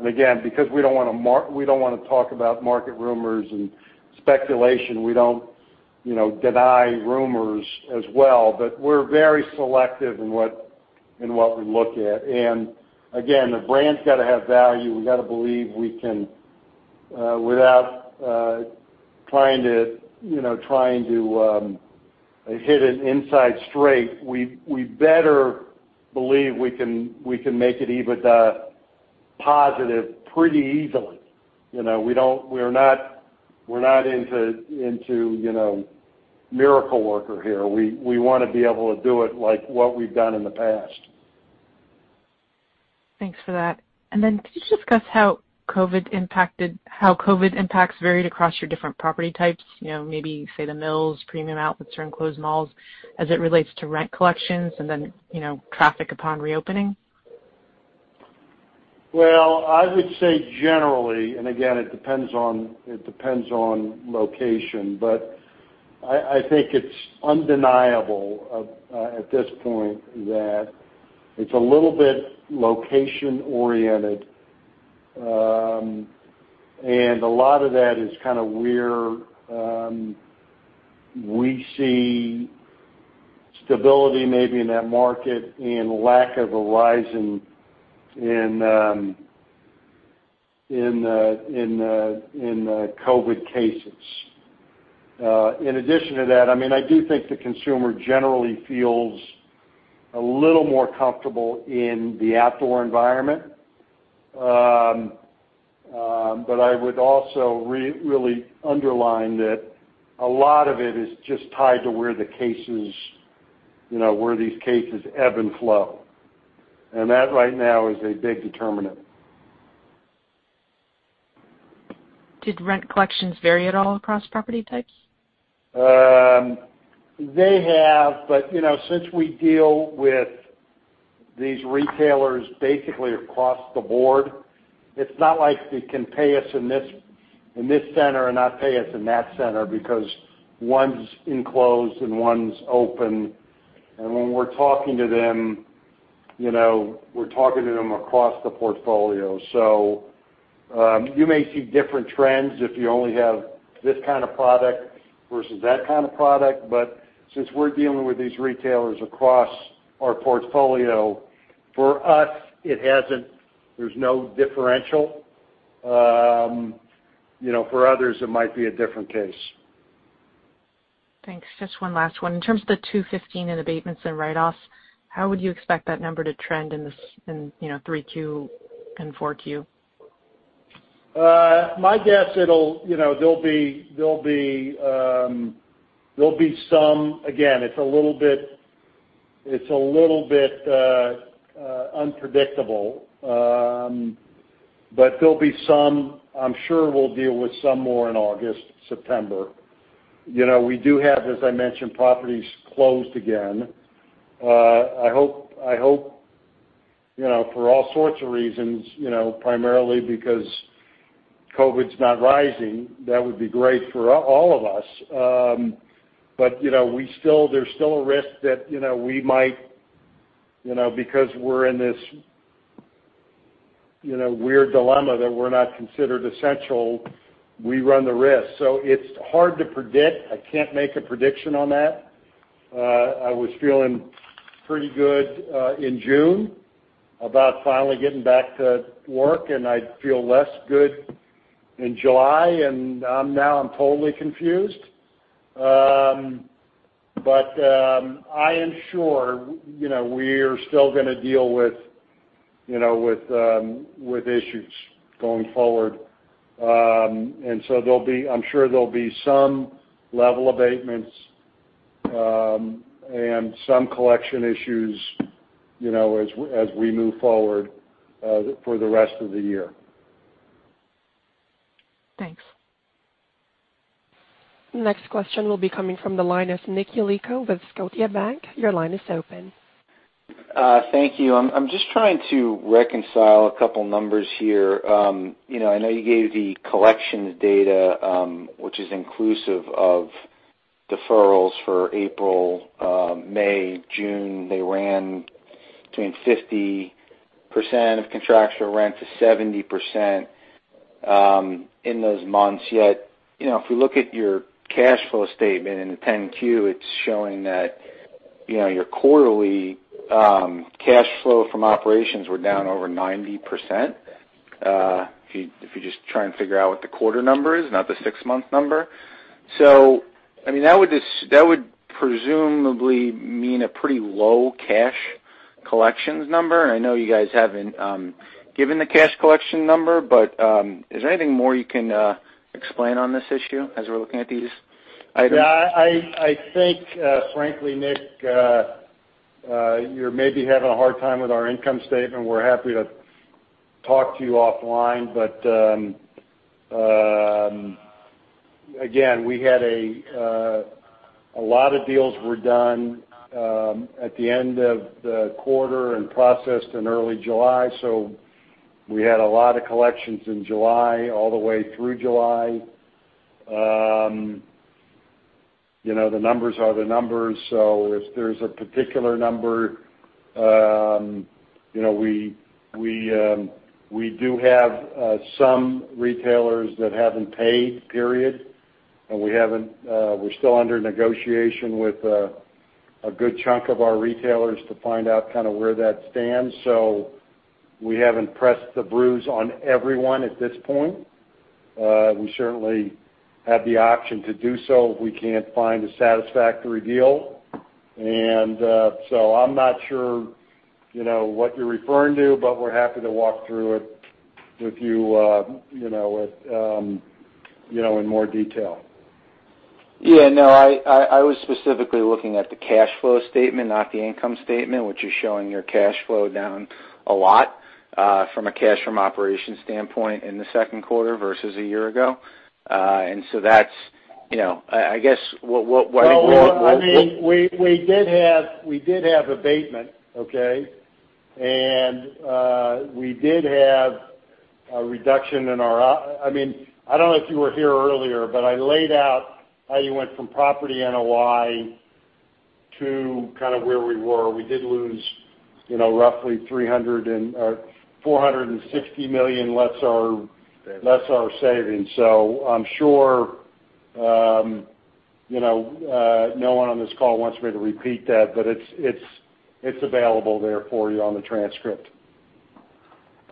Again, because we don't want to talk about market rumors and speculation, we don't deny rumors as well, but we're very selective in what we look at. Again, the brand's got to have value. We've got to believe we can, without trying to hit an inside straight, we better believe we can make it EBITDA positive pretty easily. We're not into miracle worker here. We want to be able to do it like what we've done in the past. Thanks for that. Could you discuss how COVID impacts varied across your different property types? Maybe, say, the Mills, Premium Outlets, or enclosed malls, as it relates to rent collections, and then traffic upon reopening? Well, I would say generally, again, it depends on location, I think it's undeniable at this point that it's a little bit location oriented. A lot of that is kind of where we see stability maybe in that market and lack of a rise in COVID cases. In addition to that, I do think the consumer generally feels a little more comfortable in the outdoor environment. I would also really underline that a lot of it is just tied to where these cases ebb and flow. That right now is a big determinant. Did rent collections vary at all across property types? They have. Since we deal with these retailers basically across the board, it's not like they can pay us in this center and not pay us in that center because one's enclosed and one's open. When we're talking to them, we're talking to them across the portfolio. You may see different trends if you only have this kind of product versus that kind of product, but since we're dealing with these retailers across our portfolio, for us, there's no differential. For others, it might be a different case. Thanks. Just one last one. In terms of the $215 in abatements and write-offs, how would you expect that number to trend in 3Q and 4Q? My guess, there'll be some. It's a little bit unpredictable, but I'm sure we'll deal with some more in August, September. We do have, as I mentioned, properties closed again. I hope for all sorts of reasons, primarily because COVID's not rising, that would be great for all of us. There's still a risk that because we're in this weird dilemma that we're not considered essential, we run the risk. It's hard to predict. I can't make a prediction on that. I was feeling pretty good in June about finally getting back to work, and I feel less good in July, and now I'm totally confused. I am sure we're still going to deal with issues going forward. I'm sure there'll be some level of abatements and some collection issues, as we move forward for the rest of the year. Thanks. Next question will be coming from the line of Nicholas Yulico with Scotiabank. Your line is open. Thank you. I'm just trying to reconcile a couple numbers here. I know you gave the collections data, which is inclusive of deferrals for April, May, June. They ran between 50% of contractual rent to 70% in those months. Yet, if we look at your cash flow statement in the 10-Q, it's showing that your quarterly cash flow from operations were down over 90%, if you just try and figure out what the quarter number is, not the six-month number. That would presumably mean a pretty low cash collections number, and I know you guys haven't given the cash collection number, but is there anything more you can explain on this issue as we're looking at these items? Yeah, I think, frankly, Nick, you're maybe having a hard time with our income statement. Again, a lot of deals were done at the end of the quarter and processed in early July. We had a lot of collections in July, all the way through July. The numbers are the numbers. If there's a particular number, we do have some retailers that haven't paid, period. We're still under negotiation with a good chunk of our retailers to find out kind of where that stands. We haven't pressed the bruise on everyone at this point. We certainly have the option to do so if we can't find a satisfactory deal. I'm not sure what you're referring to, but we're happy to walk through it with you in more detail. Yeah, no, I was specifically looking at the cash flow statement, not the income statement, which is showing your cash flow down a lot from a cash from operations standpoint in the second quarter versus a year ago. I guess what. We did have abatement, okay? We did have a reduction in our I don't know if you were here earlier, but I laid out how you went from property NOI to kind of where we were. We did lose roughly $460 million, less our savings. I'm sure no one on this call wants me to repeat that, but it's available there for you on the transcript.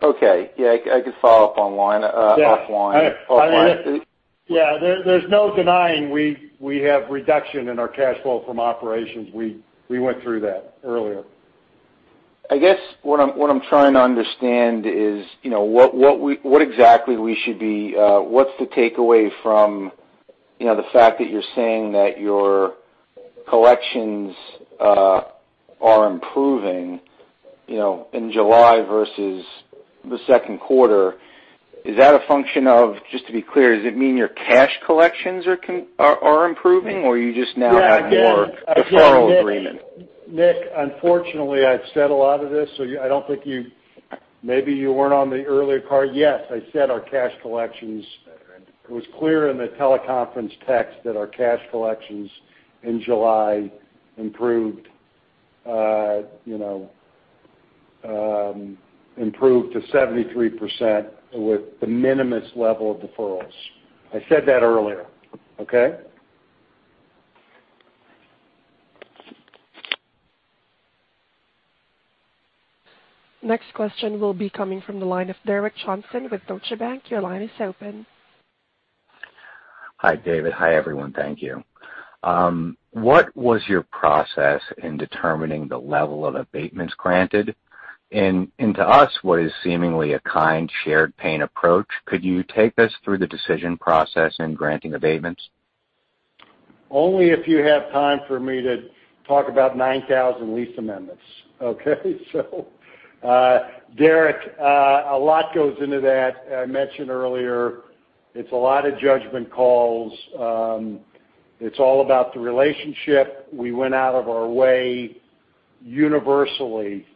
Okay. Yeah, I could follow up offline. Yeah. There's no denying we have reduction in our cash flow from operations. We went through that earlier. I guess what I'm trying to understand is, what's the takeaway from the fact that you're saying that your collections are improving in July versus the second quarter? Is that a function of, just to be clear, does it mean your cash collections are improving, or you just now have more deferral agreements? Nick, unfortunately, I've said a lot of this. Maybe you weren't on the earlier part. Yes, I said our cash collections. It was clear in the teleconference text that our cash collections in July improved to 73% with the minimum level of deferrals. I said that earlier, okay? Next question will be coming from the line of Derek Johnston with Deutsche Bank. Your line is open. Hi, David. Hi, everyone. Thank you. What was your process in determining the level of abatements granted? To us, what is seemingly a kind, shared pain approach, could you take us through the decision process in granting abatements? Only if you have time for me to talk about 9,000 lease amendments. Okay. Derek, a lot goes into that. I mentioned earlier, it's a lot of judgment calls. It's all about the relationship. We went out of our way universally.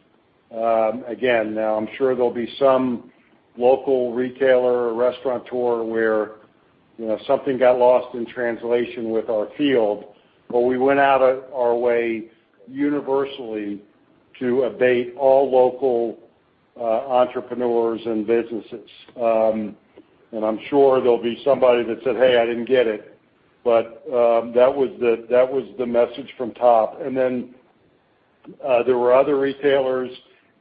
Now I'm sure there'll be some local retailer or restaurateur where something got lost in translation with our field. We went out of our way universally to abate all local entrepreneurs and businesses. I'm sure there'll be somebody that said, "Hey, I didn't get it," but that was the message from top. There were other retailers,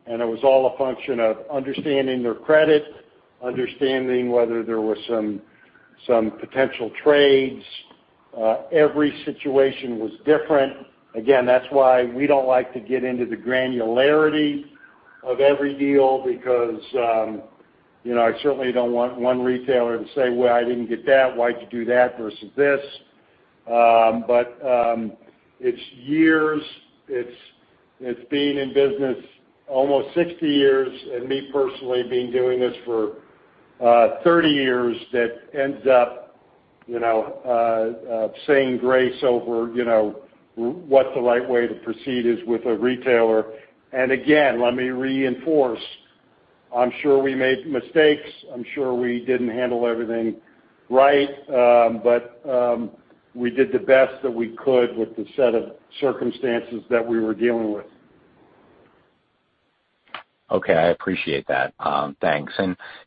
and it was all a function of understanding their credit, understanding whether there was some potential trades. Every situation was different. That's why we don't like to get into the granularity of every deal because, I certainly don't want one retailer to say, "Well, I didn't get that. Why'd you do that versus this?" It's years, it's being in business almost 60 years, and me personally being doing this for 30 years, that ends up saying grace over what the right way to proceed is with a retailer. Again, let me reinforce, I'm sure we made mistakes. I'm sure we didn't handle everything right. We did the best that we could with the set of circumstances that we were dealing with. Okay. I appreciate that. Thanks.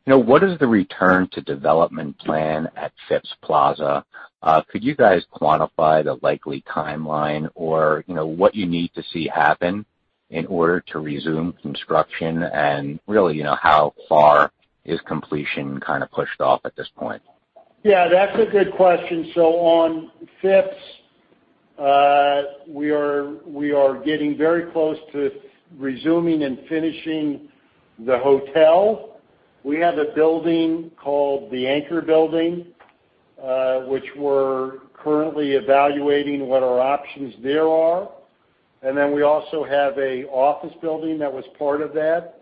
What is the return to development plan at Phipps Plaza? Could you guys quantify the likely timeline or what you need to see happen in order to resume construction? Really, how far is completion kind of pushed off at this point? That's a good question. On Phipps, we are getting very close to resuming and finishing the hotel. We have a building called the Anchor building, which we're currently evaluating what our options there are. We also have an office building that was part of that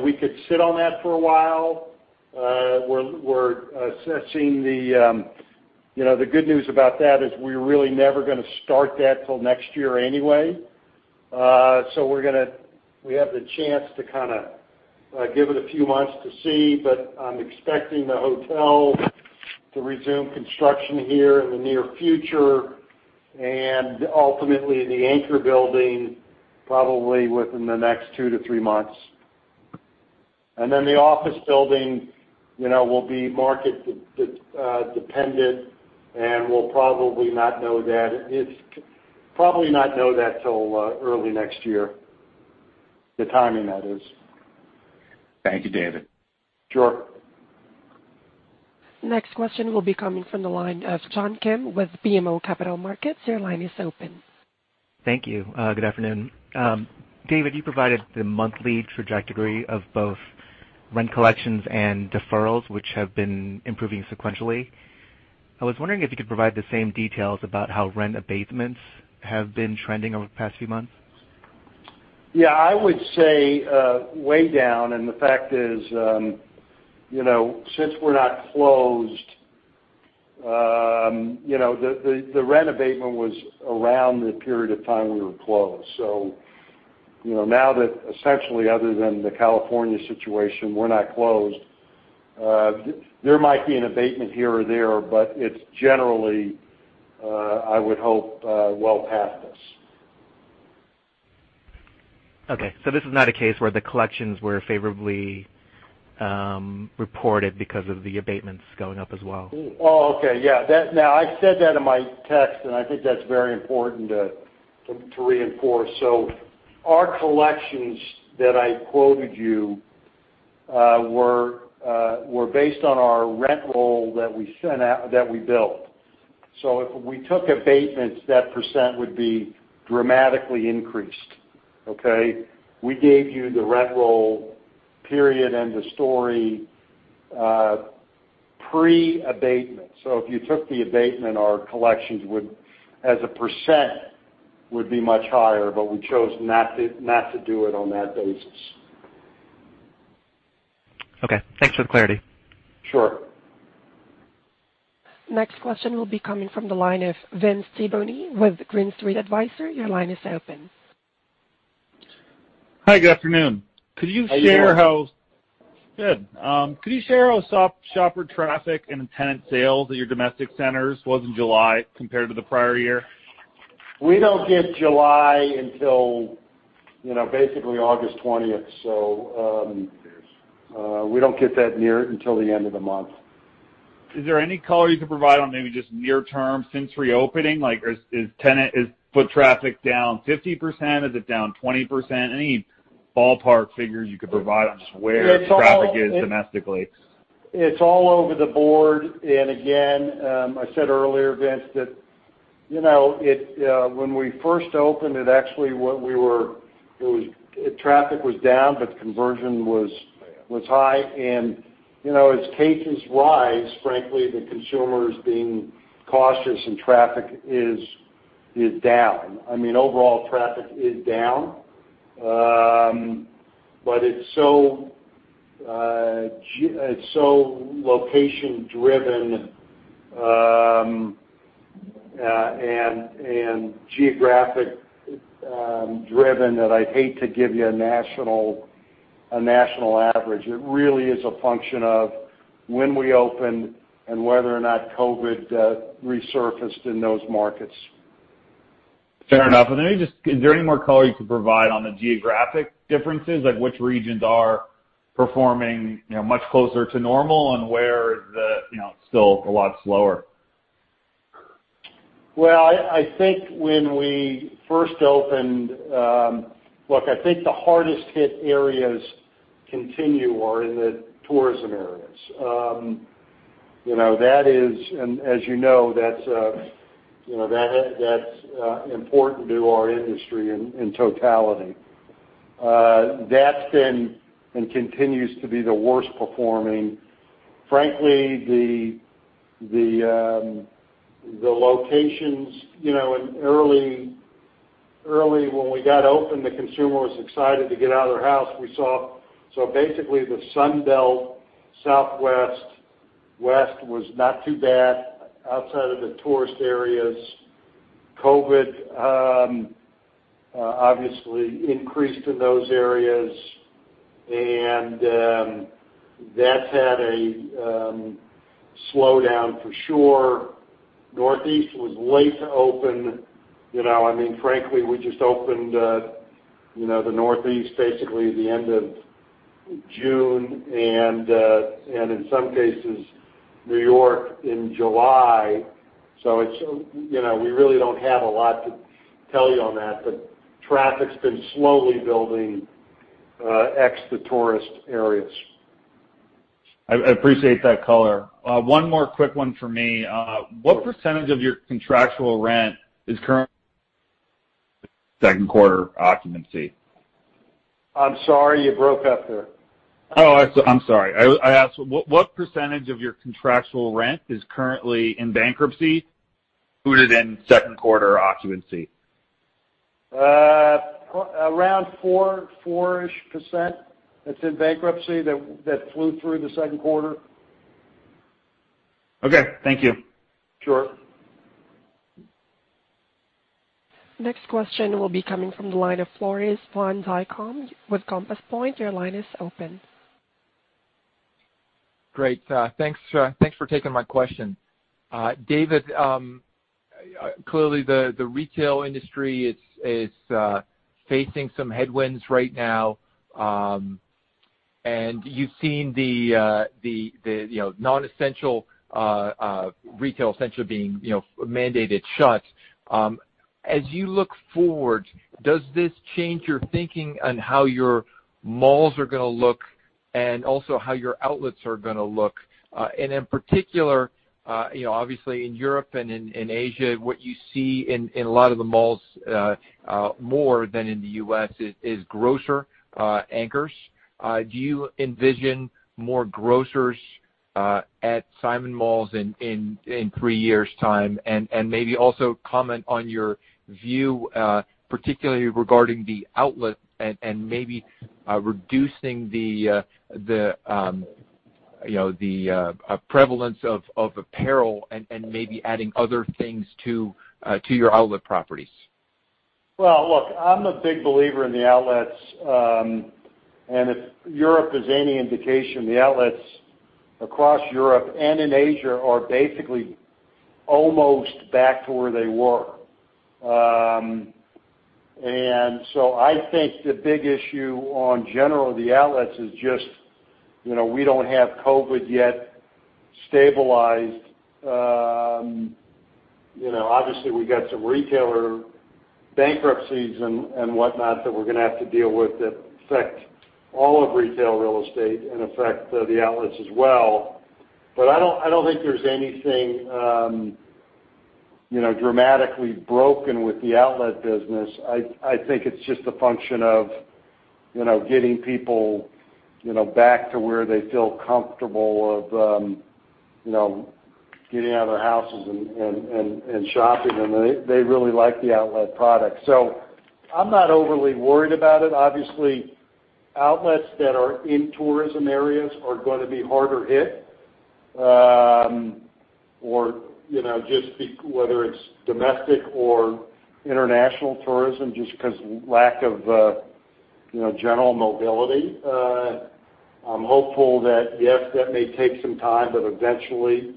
we could sit on that for a while. We're assessing. The good news about that is we're really never going to start that till next year anyway. We have the chance to kind of give it a few months to see, but I'm expecting the hotel to resume construction here in the near future, and ultimately the Anchor building probably within the next 2-3 months. The office building will be market-dependent, and we'll probably not know that till early next year. The timing, that is. Thank you, David. Sure. Next question will be coming from the line of John Kim with BMO Capital Markets. Your line is open. Thank you. Good afternoon. David, you provided the monthly trajectory of both rent collections and deferrals, which have been improving sequentially. I was wondering if you could provide the same details about how rent abatements have been trending over the past few months. Yeah, I would say way down, and the fact is, since we're not closed, the rent abatement was around the period of time we were closed. Now that essentially other than the California situation, we're not closed. There might be an abatement here or there, but it's generally, I would hope, well past this. Okay. This is not a case where the collections were favorably reported because of the abatements going up as well. Oh, okay. Yeah. Now I said that in my text, and I think that's very important to reinforce. Our collections that I quoted you were based on our rent roll that we billed. If we took abatements, that % would be dramatically increased. Okay? We gave you the rent roll period, end of story, pre-abatement. If you took the abatement, our collections as a %, would be much higher, but we chose not to do it on that basis. Okay. Thanks for the clarity. Sure. Next question will be coming from the line of Vince Tibone with Green Street Advisors. Your line is open. Hi, good afternoon. How are you doing? Good. Could you share how shopper traffic and tenant sales at your domestic centers was in July compared to the prior year? We don't get July until basically August 20th. We don't get that near until the end of the month. Is there any color you can provide on maybe just near term since reopening? Is foot traffic down 50%? Is it down 20%? Any ballpark figures you could provide on just where the traffic is domestically? It's all over the board. Again, I said earlier, Vince, that when we first opened, traffic was down, but conversion was high. As cases rise, frankly, the consumer is being cautious and traffic is down. Overall traffic is down. It's so location-driven and geographic-driven that I'd hate to give you a national average. It really is a function of when we opened and whether or not COVID resurfaced in those markets. Fair enough. Is there any more color you could provide on the geographic differences, like which regions are performing much closer to normal and where it's still a lot slower? Well, look, I think the hardest hit areas continue are in the tourism areas. As you know, that's important to our industry in totality. That's been and continues to be the worst performing. Frankly, the locations, in early when we got open, the consumer was excited to get out of their house. Basically, the Sun Belt, Southwest, West was not too bad outside of the tourist areas. COVID, obviously, increased in those areas, and that's had a slowdown for sure. Northeast was late to open. Frankly, we just opened the Northeast basically the end of June, and in some cases, New York in July. We really don't have a lot to tell you on that, but traffic's been slowly building ex the tourist areas. I appreciate that color. One more quick one for me. Sure. What % of your contractual rent is currently second quarter occupancy? I'm sorry, you broke up there. Oh, I'm sorry. I asked, what % of your contractual rent is currently in bankruptcy, included in second quarter occupancy? Around fourish% that's in bankruptcy that flew through the second quarter. Okay. Thank you. Sure. Next question will be coming from the line of Floris van Dijkum with Compass Point. Your line is open. Great. Thanks for taking my question. David, clearly the retail industry is facing some headwinds right now. You've seen the non-essential retail essentially being mandated shut. As you look forward, does this change your thinking on how your malls are going to look, and also how your outlets are going to look? In particular, obviously in Europe and in Asia, what you see in a lot of the malls more than in the U.S. is grocer anchors. Do you envision more grocers at Simon Malls in three years' time? Maybe also comment on your view, particularly regarding the outlet and maybe reducing the prevalence of apparel and maybe adding other things to your outlet properties. Well, look, I'm a big believer in the outlets. If Europe is any indication, the outlets across Europe and in Asia are basically almost back to where they were. I think the big issue on general of the outlets is just, we don't have COVID-19 yet stabilized. Obviously, we got some retailer bankruptcies and whatnot that we're going to have to deal with that affect all of retail real estate and affect the outlets as well. I don't think there's anything dramatically broken with the outlet business. I think it's just a function of getting people back to where they feel comfortable of getting out of their houses and shopping, and they really like the outlet product. I'm not overly worried about it. Obviously, outlets that are in tourism areas are going to be harder hit, whether it's domestic or international tourism, just because lack of general mobility. I'm hopeful that, yes, that may take some time, but eventually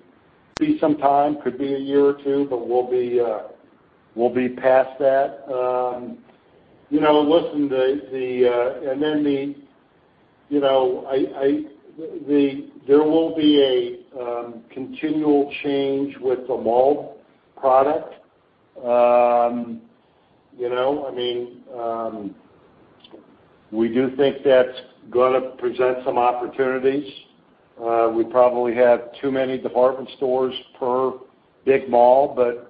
be some time, could be a year or two, but we'll be past that. Listen, there will be a continual change with the mall product. I mean, we do think that's going to present some opportunities. We probably have too many department stores per big mall, but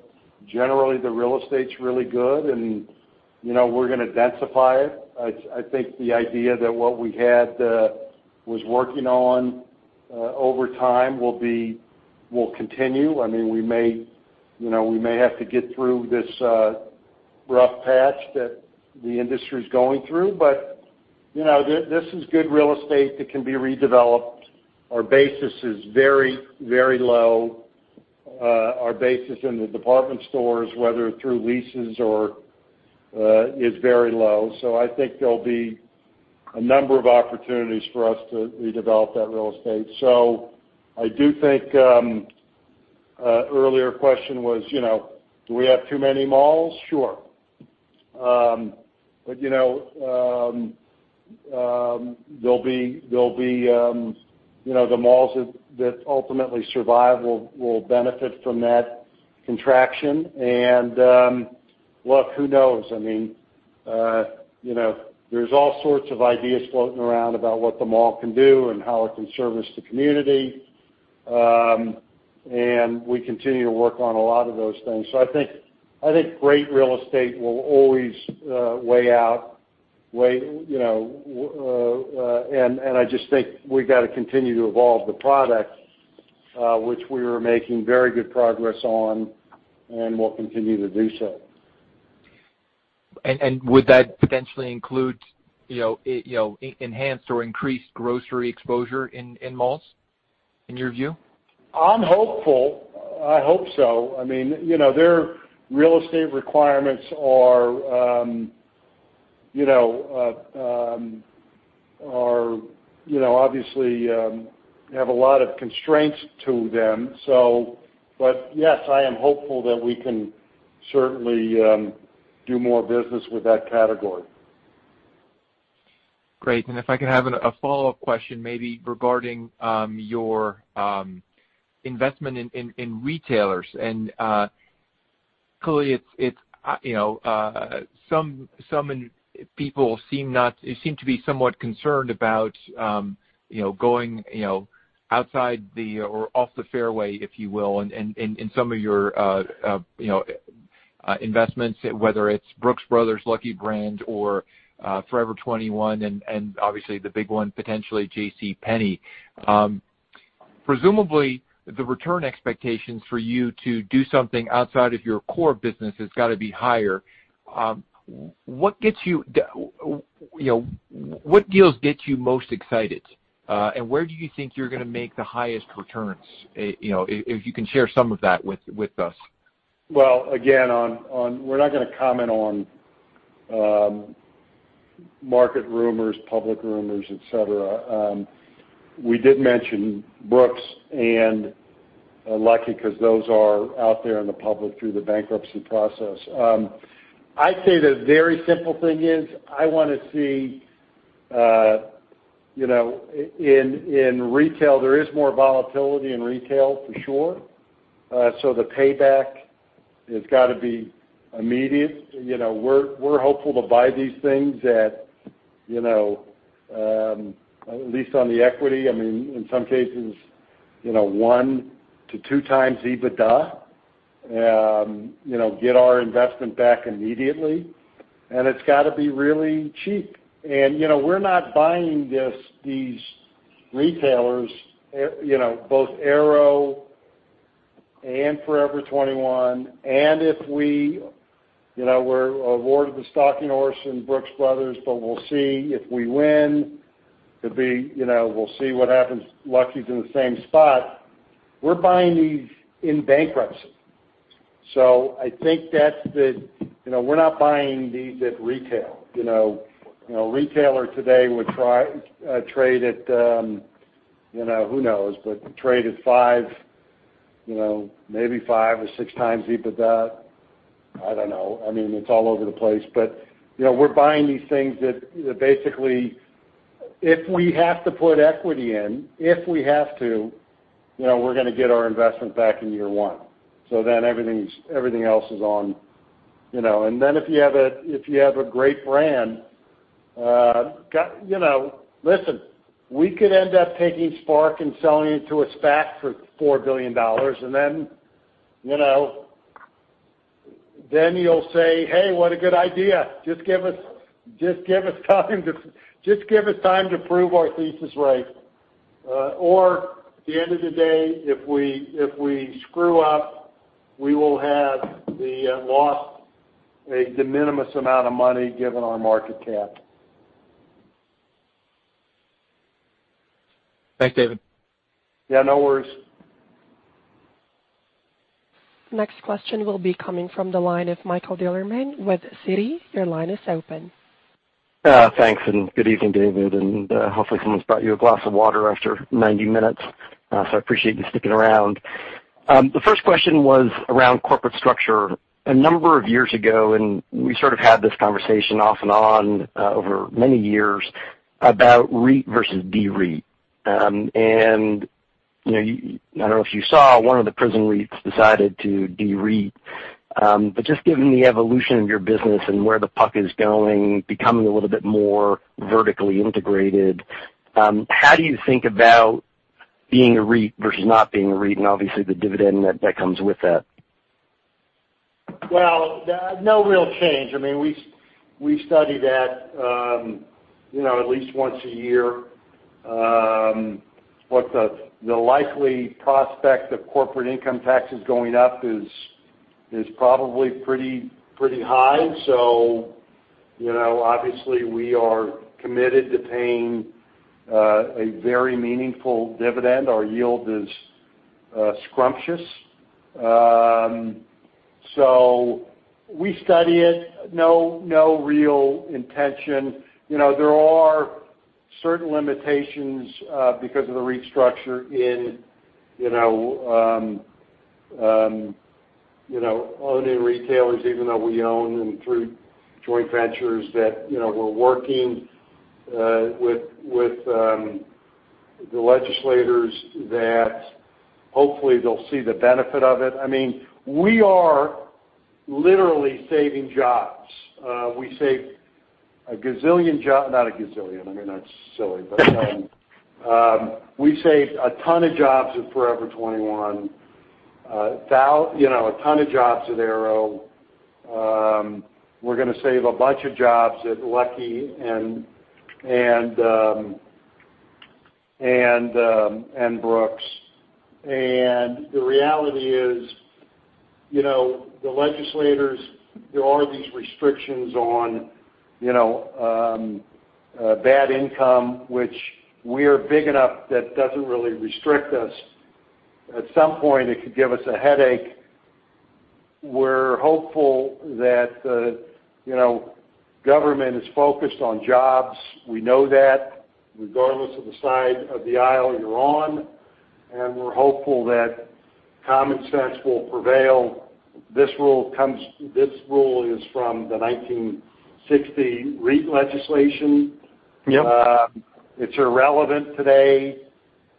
generally, the real estate's really good and we're going to densify it. I think the idea that what we had was working on over time will continue. We may have to get through this rough patch that the industry's going through, but this is good real estate that can be redeveloped. Our basis is very low. Our basis in the department stores, whether through leases or is very low. I think there'll be a number of opportunities for us to redevelop that real estate. I do think, earlier question was, do we have too many malls? Sure. The malls that ultimately survive will benefit from that contraction. Look, who knows? There's all sorts of ideas floating around about what the mall can do and how it can service the community. We continue to work on a lot of those things. I think great real estate will always weigh out. I just think we've got to continue to evolve the product, which we are making very good progress on, and we'll continue to do so. Would that potentially include enhanced or increased grocery exposure in malls, in your view? I'm hopeful. I hope so. Their real estate requirements obviously have a lot of constraints to them. Yes, I am hopeful that we can certainly do more business with that category. Great. If I can have a follow-up question maybe regarding your investment in retailers, clearly some people seem to be somewhat concerned about going outside the or off the fairway, if you will, in some of your investments, whether it's Brooks Brothers, Lucky Brand, or Forever 21, and obviously the big one, potentially J.C. Penney. Presumably, the return expectations for you to do something outside of your core business has got to be higher. What deals get you most excited? Where do you think you're going to make the highest returns, if you can share some of that with us? Well, again, we're not going to comment on market rumors, public rumors, et cetera. We did mention Brooks and Lucky because those are out there in the public through the bankruptcy process. I'd say the very simple thing is, I want to see, in retail, there is more volatility in retail for sure. The payback has got to be immediate. We're hopeful to buy these things at least on the equity, in some cases, one to two times EBITDA, get our investment back immediately. It's got to be really cheap. We're not buying these retailers, both Aero and Forever 21, and if we're awarded the stalking horse in Brooks Brothers, but we'll see if we win, we'll see what happens. Lucky's in the same spot. We're buying these in bankruptcy. We're not buying these at retail. Retailer today would trade at, who knows, but trade at maybe five or six times EBITDA. I don't know. It's all over the place. We're buying these things that basically, if we have to put equity in, if we have to, we're going to get our investment back in year one. Everything else is on. If you have a great brand, listen, we could end up taking SPARC and selling it to a SPAC for $4 billion, and then you'll say, "Hey, what a good idea." Just give us time to prove our thesis right. At the end of the day, if we screw up, we will have lost a de minimis amount of money given our market cap. Thanks, David. Yeah, no worries. Next question will be coming from the line of Michael Bilerman with Citi. Your line is open. Thanks. Good evening, David, and hopefully someone's brought you a glass of water after 90 minutes. I appreciate you sticking around. The first question was around corporate structure. A number of years ago, we sort of had this conversation off and on over many years about REIT versus de-REIT. I don't know if you saw one of the prison REITs decided to de-REIT. Just given the evolution of your business and where the puck is going, becoming a little bit more vertically integrated, how do you think about being a REIT versus not being a REIT, and obviously the dividend that comes with that? Well, no real change. We study that at least once a year. What the likely prospect of corporate income taxes going up is probably pretty high. Obviously, we are committed to paying a very meaningful dividend. Our yield is scrumptious. We study it. No real intention. There are certain limitations because of the REIT structure in owning retailers, even though we own them through joint ventures that we're working with the legislators that hopefully they'll see the benefit of it. We are literally saving jobs. We saved a gazillion jobs. Not a gazillion. That's silly. We saved a ton of jobs at Forever 21, a ton of jobs at Aéropostale. We're going to save a bunch of jobs at Lucky and Brooks. The reality is, the legislators, there are these restrictions on bad income, which we are big enough that doesn't really restrict us. At some point, it could give us a headache. We're hopeful that the government is focused on jobs. We know that regardless of the side of the aisle you're on, and we're hopeful that common sense will prevail. This rule is from the 1960 REIT legislation. Yep. It's irrelevant today.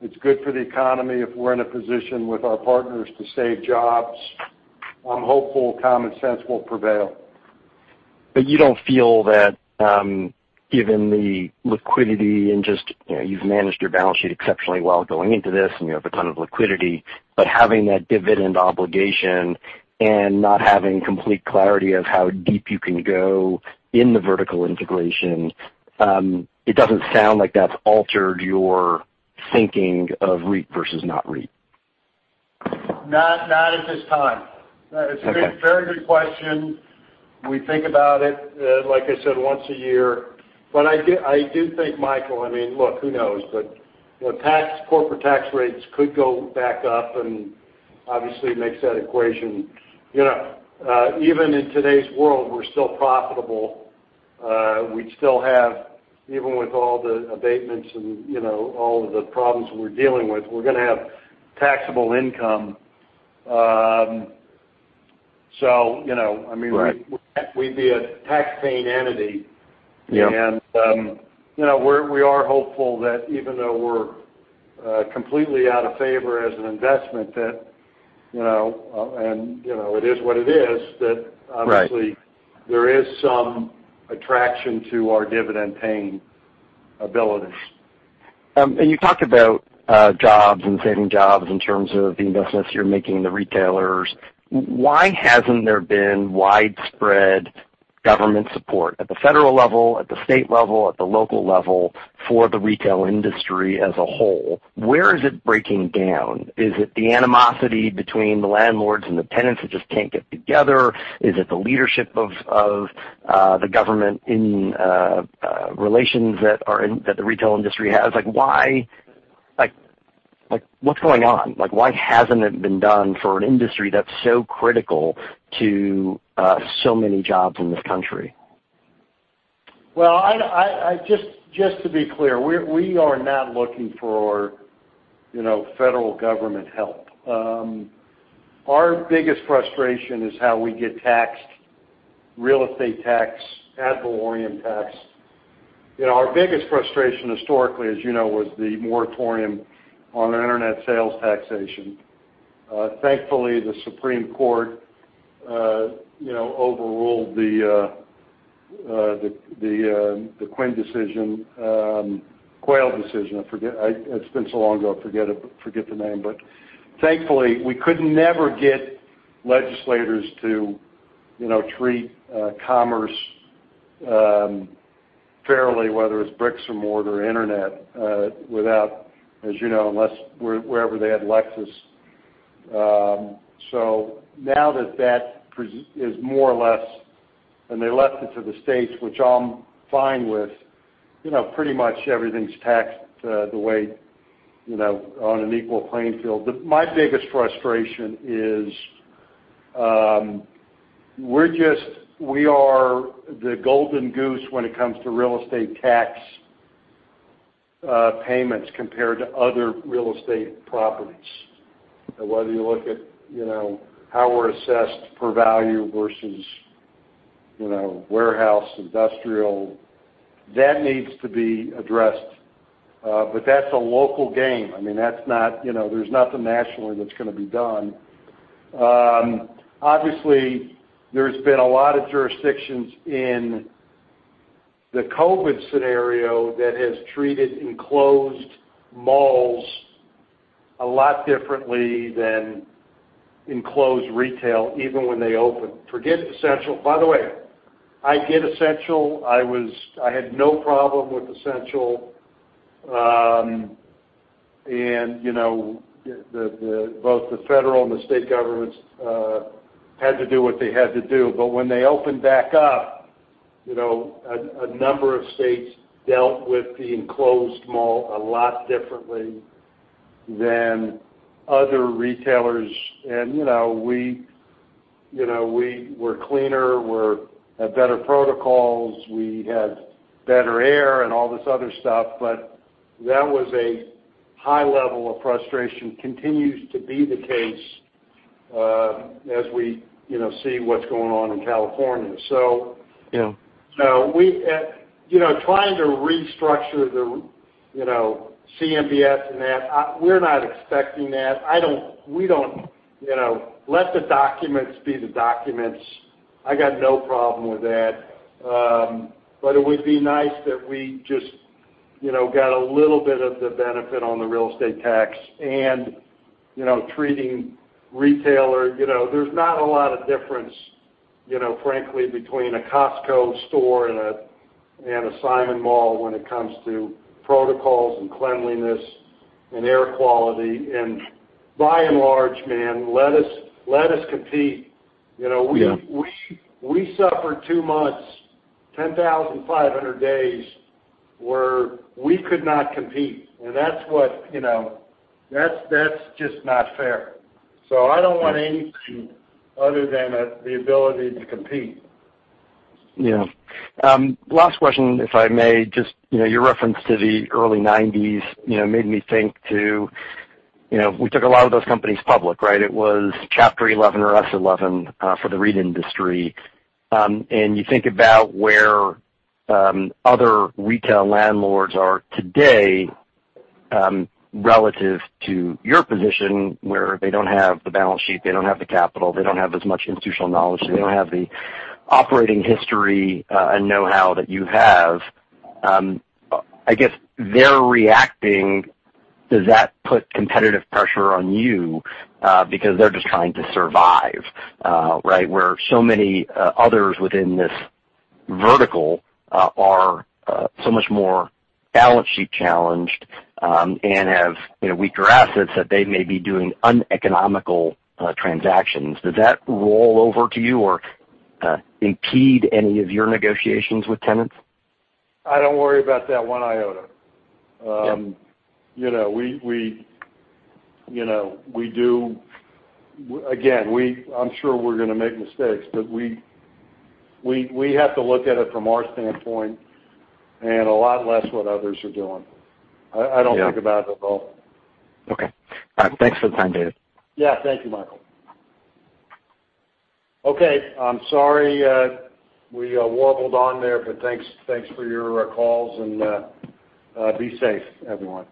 It's good for the economy if we're in a position with our partners to save jobs. I'm hopeful common sense will prevail. You don't feel that given the liquidity and just, you've managed your balance sheet exceptionally well going into this, and you have a ton of liquidity, but having that dividend obligation and not having complete clarity of how deep you can go in the vertical integration, it doesn't sound like that's altered your thinking of REIT versus not REIT. Not at this time. Okay. It's a very good question. We think about it, like I said, once a year. I do think, Michael, look, who knows? Corporate tax rates could go back up and obviously makes that equation. Even in today's world, we're still profitable. We'd still have, even with all the abatements and all of the problems we're dealing with, we're going to have taxable income. I mean. Right we'd be a tax-paying entity. Yep. We are hopeful that even though we're completely out of favor as an investment that, and it is what it is. Right there is some attraction to our dividend-paying abilities. You talked about jobs and saving jobs in terms of the investments you're making in the retailers. Why hasn't there been widespread government support at the federal level, at the state level, at the local level for the retail industry as a whole? Where is it breaking down? Is it the animosity between the landlords and the tenants that just can't get together? Is it the leadership of the government in relations that the retail industry has? What's going on? Why hasn't it been done for an industry that's so critical to so many jobs in this country? Just to be clear, we are not looking for federal government help. Our biggest frustration is how we get taxed, real estate tax, ad valorem tax. Our biggest frustration historically, as you know, was the moratorium on internet sales taxation. Thankfully, the Supreme Court overruled the Quill decision. It's been so long ago, I forget the name. Thankfully, we could never get legislators to treat commerce fairly, whether it's bricks and mortar, internet, without, as you know, wherever they had nexus. Now that that is more or less, and they left it to the states, which I'm fine with, pretty much everything's taxed the way on an equal playing field. My biggest frustration is, we are the golden goose when it comes to real estate tax payments compared to other real estate properties. Whether you look at how we're assessed per value versus warehouse, industrial, that needs to be addressed. That's a local game. There's nothing nationally that's going to be done. Obviously, there's been a lot of jurisdictions in the COVID-19 scenario that has treated enclosed malls a lot differently than enclosed retail, even when they opened. Forget essential. By the way, I get essential. I had no problem with essential. Both the federal and the state governments had to do what they had to do. When they opened back up, a number of states dealt with the enclosed mall a lot differently than other retailers. We're cleaner, have better protocols, we had better air and all this other stuff, but that was a high level of frustration, continues to be the case, as we see what's going on in California. Yeah. Trying to restructure the CMBS and that, we're not expecting that. Let the documents be the documents. I got no problem with that. It would be nice that we just got a little bit of the benefit on the real estate tax and treating retailer. There's not a lot of difference, frankly, between a Costco store and a Simon mall when it comes to protocols and cleanliness and air quality. By and large, man, let us compete. Yeah. We suffered two months, 10,500 days, where we could not compete. That's just not fair. I don't want anything other than the ability to compete. Yeah. Last question, if I may, just your reference to the early 1990s made me think to, we took a lot of those companies public, right? It was Chapter 11 or S-11 for the REIT industry. You think about where other retail landlords are today, relative to your position, where they don't have the balance sheet, they don't have the capital, they don't have as much institutional knowledge, they don't have the operating history and know-how that you have. I guess they're reacting. Does that put competitive pressure on you because they're just trying to survive, right, where so many others within this vertical are so much more balance sheet challenged and have weaker assets that they may be doing uneconomical transactions. Does that roll over to you or impede any of your negotiations with tenants? I don't worry about that one iota. Yeah. Again, I'm sure we're going to make mistakes, but we have to look at it from our standpoint and a lot less what others are doing. Yeah. I don't think about it at all. Okay. All right. Thanks for the time, David. Yeah. Thank you, Michael. Okay. I'm sorry we warbled on there, but thanks for your calls, and be safe, everyone.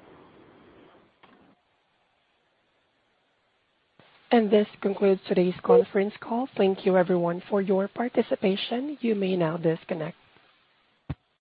This concludes today's conference call. Thank you everyone for your participation. You may now disconnect.